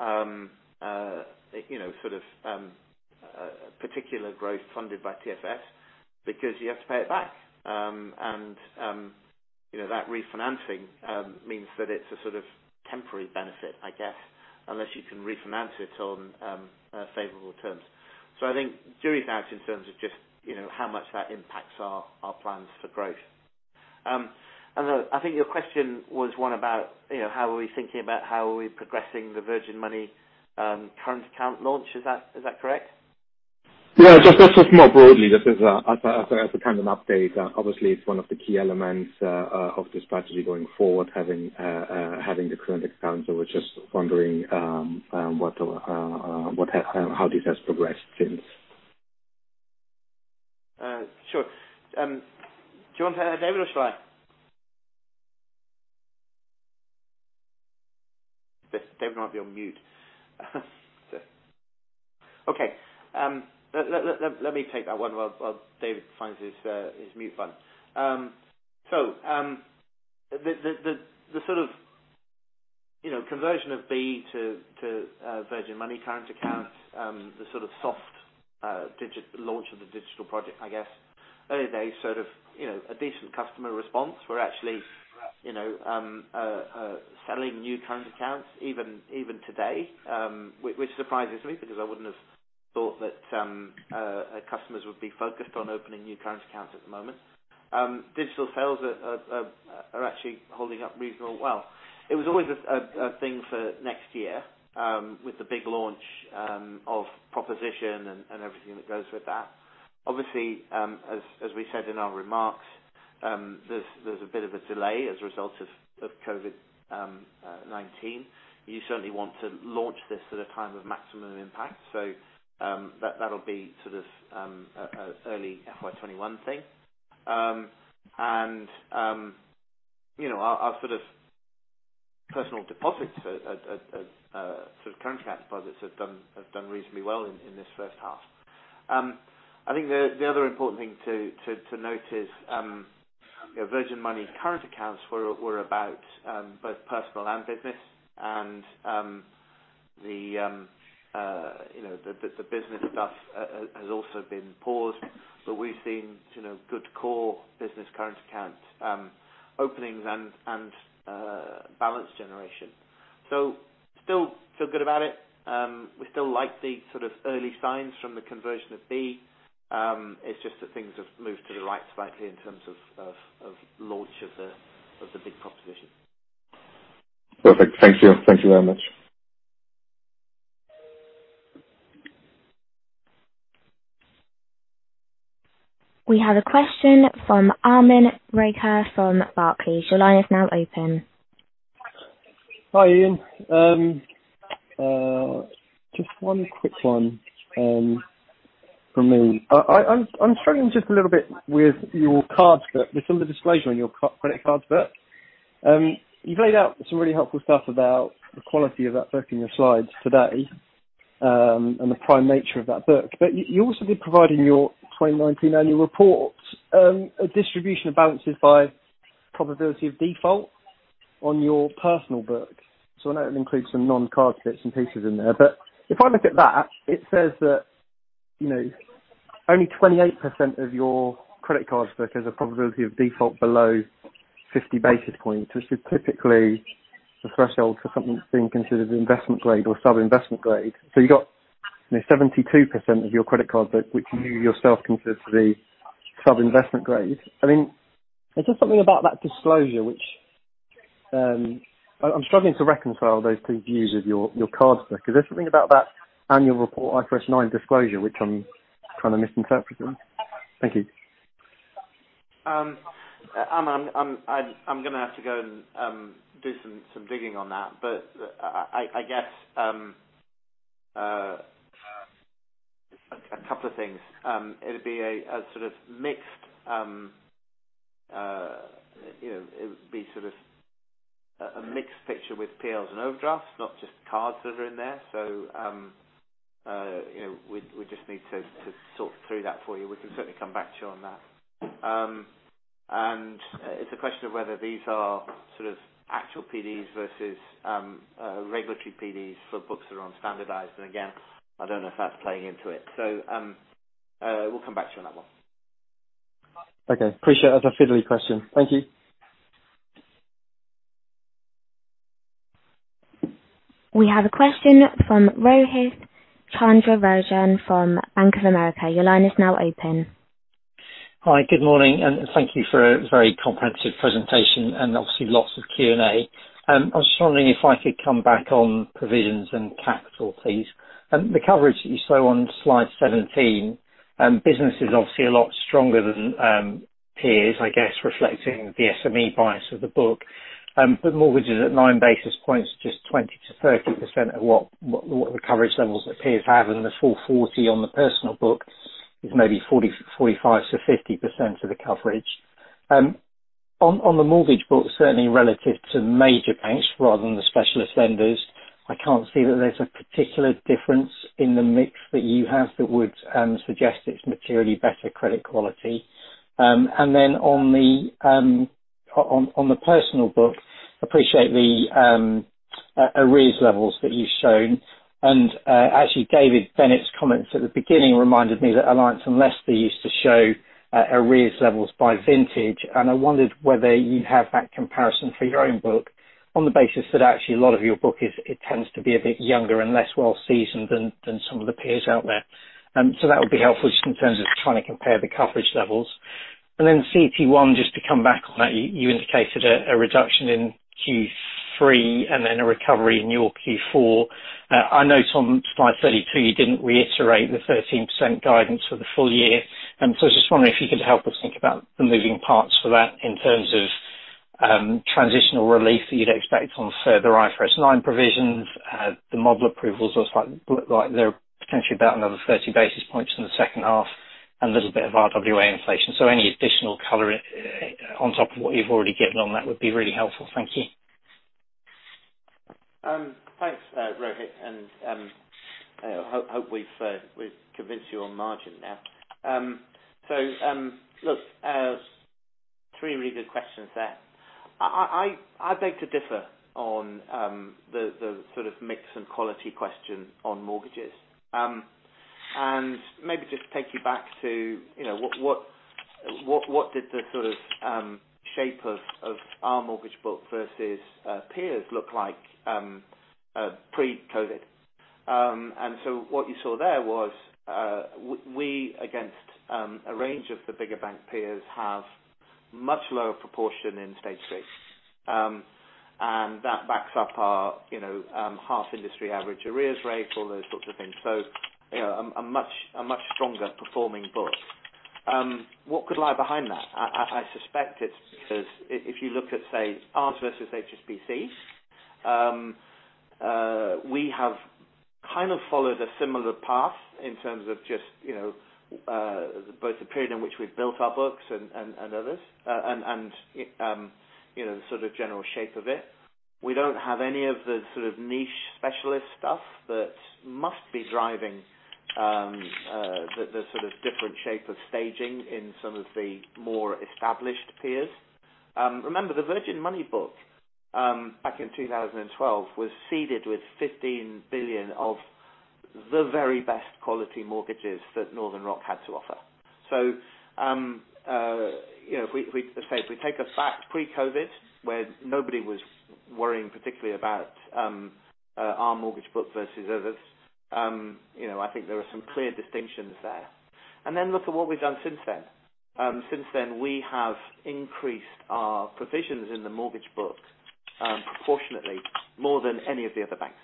sort of particular growth funded by TFS because you have to pay it back. That refinancing means that it's a sort of temporary benefit, I guess, unless you can refinance it on favorable terms. I think jury's out in terms of just how much that impacts our plans for growth. I think your question was one about how are we thinking about how are we progressing the Virgin Money current account launch. Is that correct? Yeah. Just more broadly as a kind of update. Obviously, it's one of the key elements of the strategy going forward, having the current account. I was just wondering how this has progressed since. Sure. Do you want to, David or Fahed? David might be on mute. Okay. Let me take that one while David finds his mute button. The sort of conversion of B to Virgin Money current account, the sort of soft launch of the digital project, I guess, early days, a decent customer response. We're actually selling new current accounts even today. Which surprises me, because I wouldn't have thought that customers would be focused on opening new current accounts at the moment. Digital sales are actually holding up reasonably well. It was always a thing for next year with the big launch of proposition and everything that goes with that. Obviously, as we said in our remarks, there's a bit of a delay as a result of COVID-19. You certainly want to launch this at a time of maximum impact. That'll be sort of early FY 2021 thing. Our personal deposits, sort of current account deposits have done reasonably well in this first half. I think the other important thing to note is Virgin Money current accounts were about both personal and business, and the business stuff has also been paused. We've seen good core business current account openings and balance generation. Still feel good about it. We still like the early signs from the conversion of B. It's just that things have moved to the right slightly in terms of launch of the big proposition. Perfect. Thank you. Thank you very much. We have a question from Aman Rakkar from Barclays. Your line is now open. Hi, Ian. Just one quick one from me. I'm struggling just a little bit with your cards book, with some of the disclosure on your credit cards book. You've laid out some really helpful stuff about the quality of that book in your slides today, and the prime nature of that book. You also did provide in your 2019 annual report a distribution of balances by probability of default on your personal book. I know it includes some non-card bits and pieces in there. If I look at that, it says that only 28% of your credit cards book has a probability of default below 50 basis points, which is typically the threshold for something that's being considered investment grade or sub-investment grade. You got 72% of your credit card book, which you yourself consider to be sub-investment grade. There's just something about that disclosure, which I'm struggling to reconcile those two views of your card book. Is there something about that annual report IFRS 9 disclosure, which I'm kind of misinterpreting? Thank you. Aman, I'm going to have to go and do some digging on that. I guess a couple of things. It would be a sort of mixed picture with PLs and overdrafts, not just cards that are in there. We just need to sort through that for you. We can certainly come back to you on that. It's a question of whether these are sort of actual PDs versus regulatory PDs for books that are unstandardized. Again, I don't know if that's playing into it. We'll come back to you on that one. Okay. Appreciate it. That's a fiddly question. Thank you. We have a question from Rohith Chandra-Rajan from Bank of America. Your line is now open. Hi, good morning, and thank you for a very comprehensive presentation and obviously lots of Q&A. I was just wondering if I could come back on provisions and capital, please. The coverage that you show on slide 17, business is obviously a lot stronger than peers, I guess, reflecting the SME bias of the book. Mortgages at 9 basis points, just 20%-30% of what the coverage levels that peers have, and the full 40 on the personal book is maybe 45%-50% of the coverage. On the mortgage book, certainly relative to major banks rather than the specialist lenders, I can't see that there's a particular difference in the mix that you have that would suggest it's materially better credit quality. On the personal book, appreciate the arrears levels that you've shown. Actually, David Bennett's comments at the beginning reminded me that Alliance & Leicester used to show arrears levels by vintage. I wondered whether you have that comparison for your own book on the basis that actually a lot of your book it tends to be a bit younger and less well seasoned than some of the peers out there. That would be helpful just in terms of trying to compare the coverage levels. Then CET1, just to come back on that, you indicated a reduction in Q3 and then a recovery in your Q4. I note on slide 32, you didn't reiterate the 13% guidance for the full year. I was just wondering if you could help us think about the moving parts for that in terms of transitional relief that you'd expect on further IFRS 9 provisions. The model approvals look like they're potentially about another 30 basis points in the second half and a little bit of RWA inflation. Any additional color on top of what you've already given on that would be really helpful. Thank you. Thanks, Rohith, and hope we've convinced you on margin there. Look, three really good questions there. I beg to differ on the mix and quality question on mortgages. Maybe just take you back to what did the shape of our mortgage book versus peers look like pre-COVID. What you saw there was we, against a range of the bigger bank peers, have much lower proportion in stage 3. That backs up our half industry average arrears rate, all those sorts of things. A much stronger performing book. What could lie behind that? I suspect it's because if you look at, say, ours versus HSBC, we have followed a similar path in terms of just both the period in which we've built our books and others, and the general shape of it. We don't have any of the niche specialist stuff that must be driving the different shape of staging in some of the more established peers. The Virgin Money book, back in 2012, was seeded with 15 billion of the very best quality mortgages that Northern Rock had to offer. If we take us back pre-COVID, where nobody was worrying particularly about our mortgage book versus others, I think there are some clear distinctions there. Look at what we've done since then. Since then, we have increased our provisions in the mortgage book proportionately more than any of the other banks.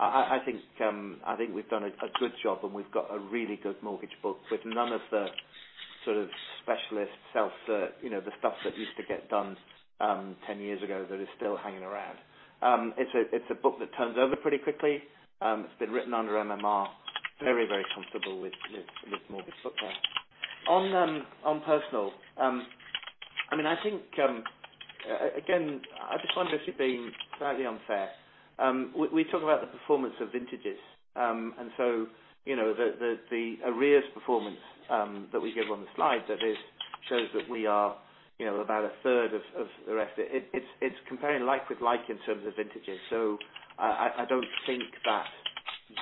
I think we've done a good job, and we've got a really good mortgage book with none of the specialist stuff that used to get done 10 years ago that is still hanging around. It's a book that turns over pretty quickly. It's been written under MMR. Very comfortable with this mortgage book there. On personal, again, I just wonder if you're being slightly unfair. We talk about the performance of vintages. The arrears performance that we give on the slide that shows that we are about a third of the rest. It's comparing like with like in terms of vintages, so I don't think that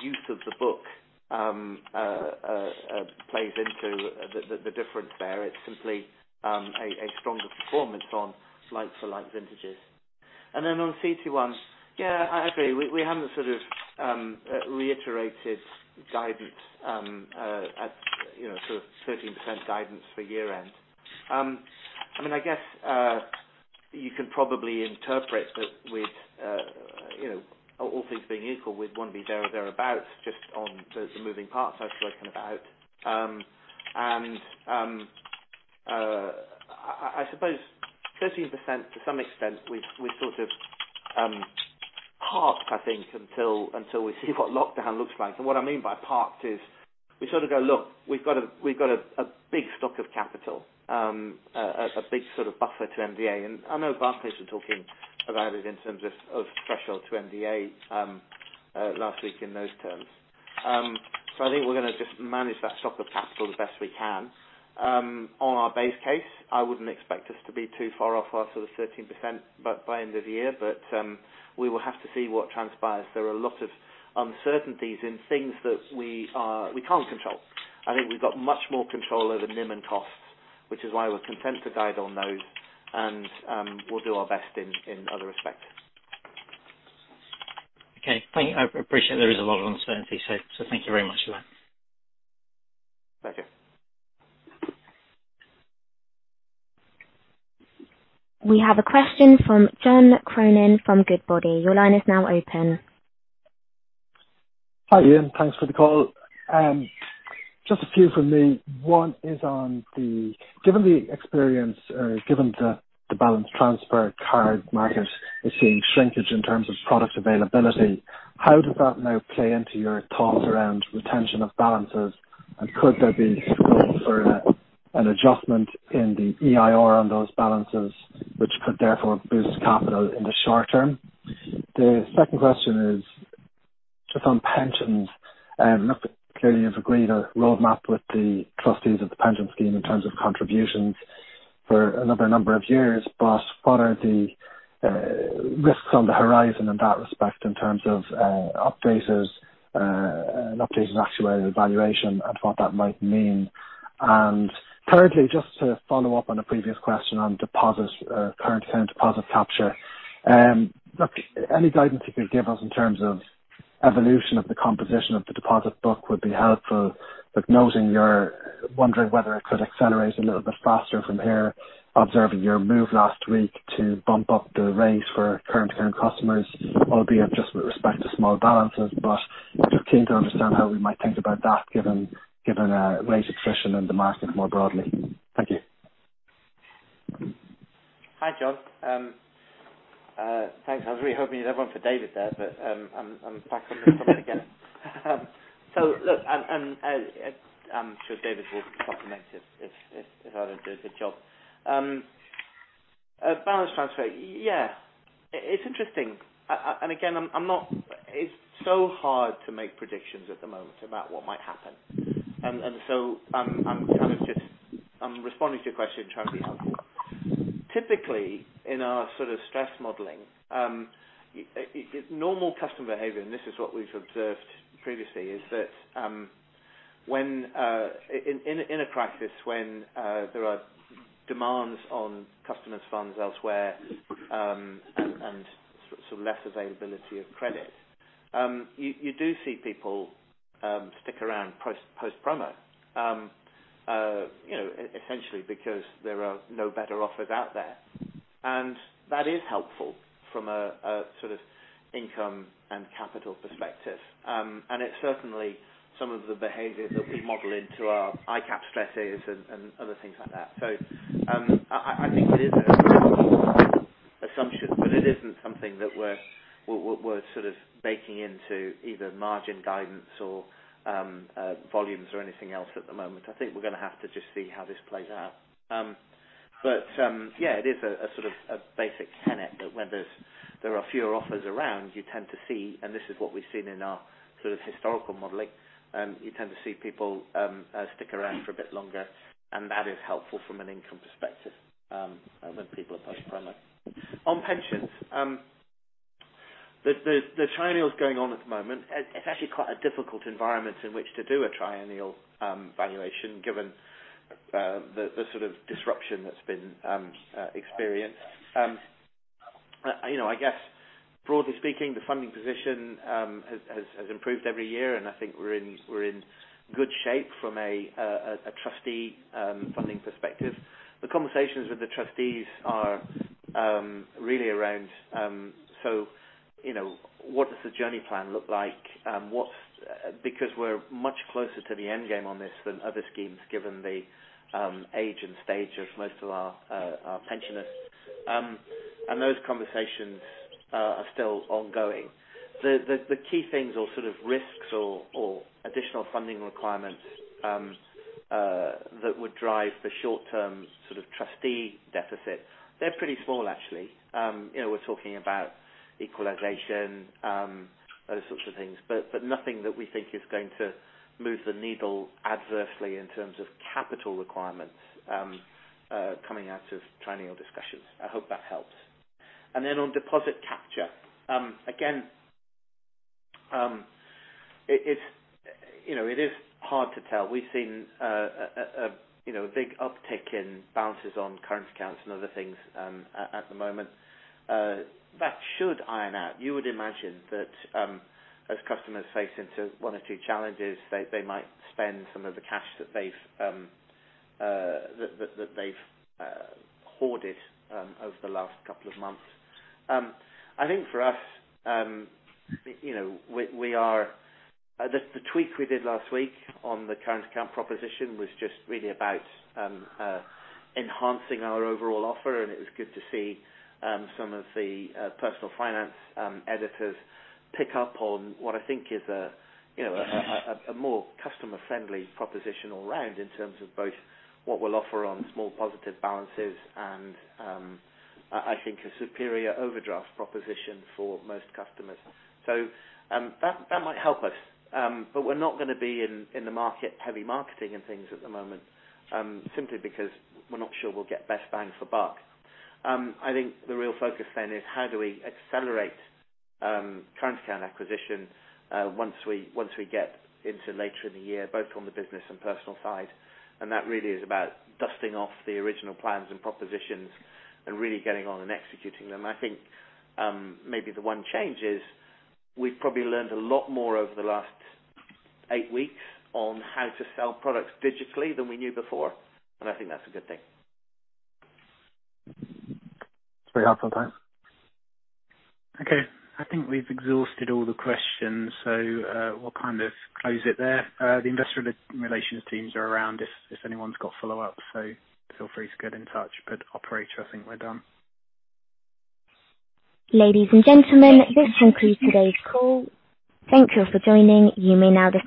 use of the book plays into the difference there. It's simply a stronger performance on like for like vintages. On CET1, yeah, I agree. We haven't reiterated guidance at 13% guidance for year-end. I guess you can probably interpret that all things being equal, we'd want to be there or thereabout, just on the moving parts I've spoken about. I suppose 13%, to some extent, we've parked, I think, until we see what lockdown looks like. What I mean by parked is we sort of go, look, we've got a big stock of capital, a big buffer to MDA. I know Barclays were talking about it in terms of threshold to MDA last week in those terms. I think we're going to just manage that stock of capital the best we can. On our base case, I wouldn't expect us to be too far off our 13% by end of the year, but we will have to see what transpires. There are a lot of uncertainties in things that we can't control. I think we've got much more control over NIM and costs, which is why we're content to guide on those. We'll do our best in other respects. Okay. I appreciate there is a lot of uncertainty, so thank you very much for that. Thank you. We have a question from John Cronin from Goodbody. Your line is now open. Hi, Ian. Thanks for the call. Just a few from me. One is on, given the experience, given the balance transfer card market is seeing shrinkage in terms of product availability, how does that now play into your thoughts around retention of balances, and could there be scope for an adjustment in the EIR on those balances, which could therefore boost capital in the short term? The second question is just on pensions. Look, clearly you've agreed a roadmap with the trustees of the pension scheme in terms of contributions for another number of years, but what are the risks on the horizon in that respect in terms of updates and updated actuary valuation and what that might mean? Thirdly, just to follow up on a previous question on deposits current term deposit capture. Look, any guidance you could give us in terms of evolution of the composition of the deposit book would be helpful, but noting you're wondering whether it could accelerate a little bit faster from here, observing your move last week to bump up the rate for current term customers, albeit just with respect to small balances, but keen to understand how we might think about that given rate attrition in the market more broadly. Thank you. Hi, John. Thanks. I was really hoping you'd have one for David there, but I'm happy to have a go. Look, I'm sure David will compliment it if I don't do a good job. Balance transfer. Yeah. It's interesting. Again, it's so hard to make predictions at the moment about what might happen. I'm responding to your question, trying to be helpful. Typically, in our sort of stress modeling, normal customer behavior, and this is what we've observed previously, is that in a practice when there are demands on customers' funds elsewhere, and less availability of credit, you do see people stick around post promo. Essentially because there are no better offers out there. That is helpful from a sort of income and capital perspective. It's certainly some of the behavior that we model into our ICAAP stresses and other things like that. I think it is a reasonable assumption, but it isn't something that we're sort of baking into either margin guidance or volumes or anything else at the moment. I think we're going to have to just see how this plays out. Yeah, it is a sort of basic tenet that when there are fewer offers around, you tend to see, and this is what we've seen in our sort of historical modeling, you tend to see people stick around for a bit longer, and that is helpful from an income perspective, when people are post promo. On pensions. The triennial is going on at the moment. It's actually quite a difficult environment in which to do a triennial valuation given the sort of disruption that's been experienced. I guess broadly speaking, the funding position has improved every year, and I think we're in good shape from a trustee funding perspective. The conversations with the trustees are really around what does the journey plan look like? Because we're much closer to the end game on this than other schemes given the age and stage of most of our pensioners. Those conversations are still ongoing. The key things or sort of risks or additional funding requirements that would drive the short-term sort of trustee deficit, they're pretty small actually. We're talking about equalization, those sorts of things. Nothing that we think is going to move the needle adversely in terms of capital requirements coming out of triennial discussions. I hope that helps. On deposit capture. Again, it is hard to tell. We've seen a big uptick in balances on current accounts and other things at the moment. That should iron out. You would imagine that as customers face into one or two challenges, they might spend some of the cash that they've hoarded over the last couple of months. I think for us, the tweak we did last week on the current account proposition was just really about enhancing our overall offer, and it was good to see some of the personal finance editors pick up on what I think is a more customer-friendly proposition all round in terms of both what we'll offer on small positive balances and, I think a superior overdraft proposition for most customers. That might help us. We're not going to be in the market heavy marketing and things at the moment, simply because we're not sure we'll get best bang for buck. I think the real focus is how do we accelerate current account acquisition once we get into later in the year, both on the business and personal side. That really is about dusting off the original plans and propositions and really getting on and executing them. I think maybe the one change is we've probably learned a lot more over the last eight weeks on how to sell products digitally than we knew before. I think that's a good thing. It's very helpful. Thanks. Okay. I think we've exhausted all the questions. We'll kind of close it there. The investor relations teams are around if anyone's got follow-ups. Feel free to get in touch. Operator, I think we're done. Ladies and gentlemen, this concludes today's call. Thank you for joining. You may now disconnect.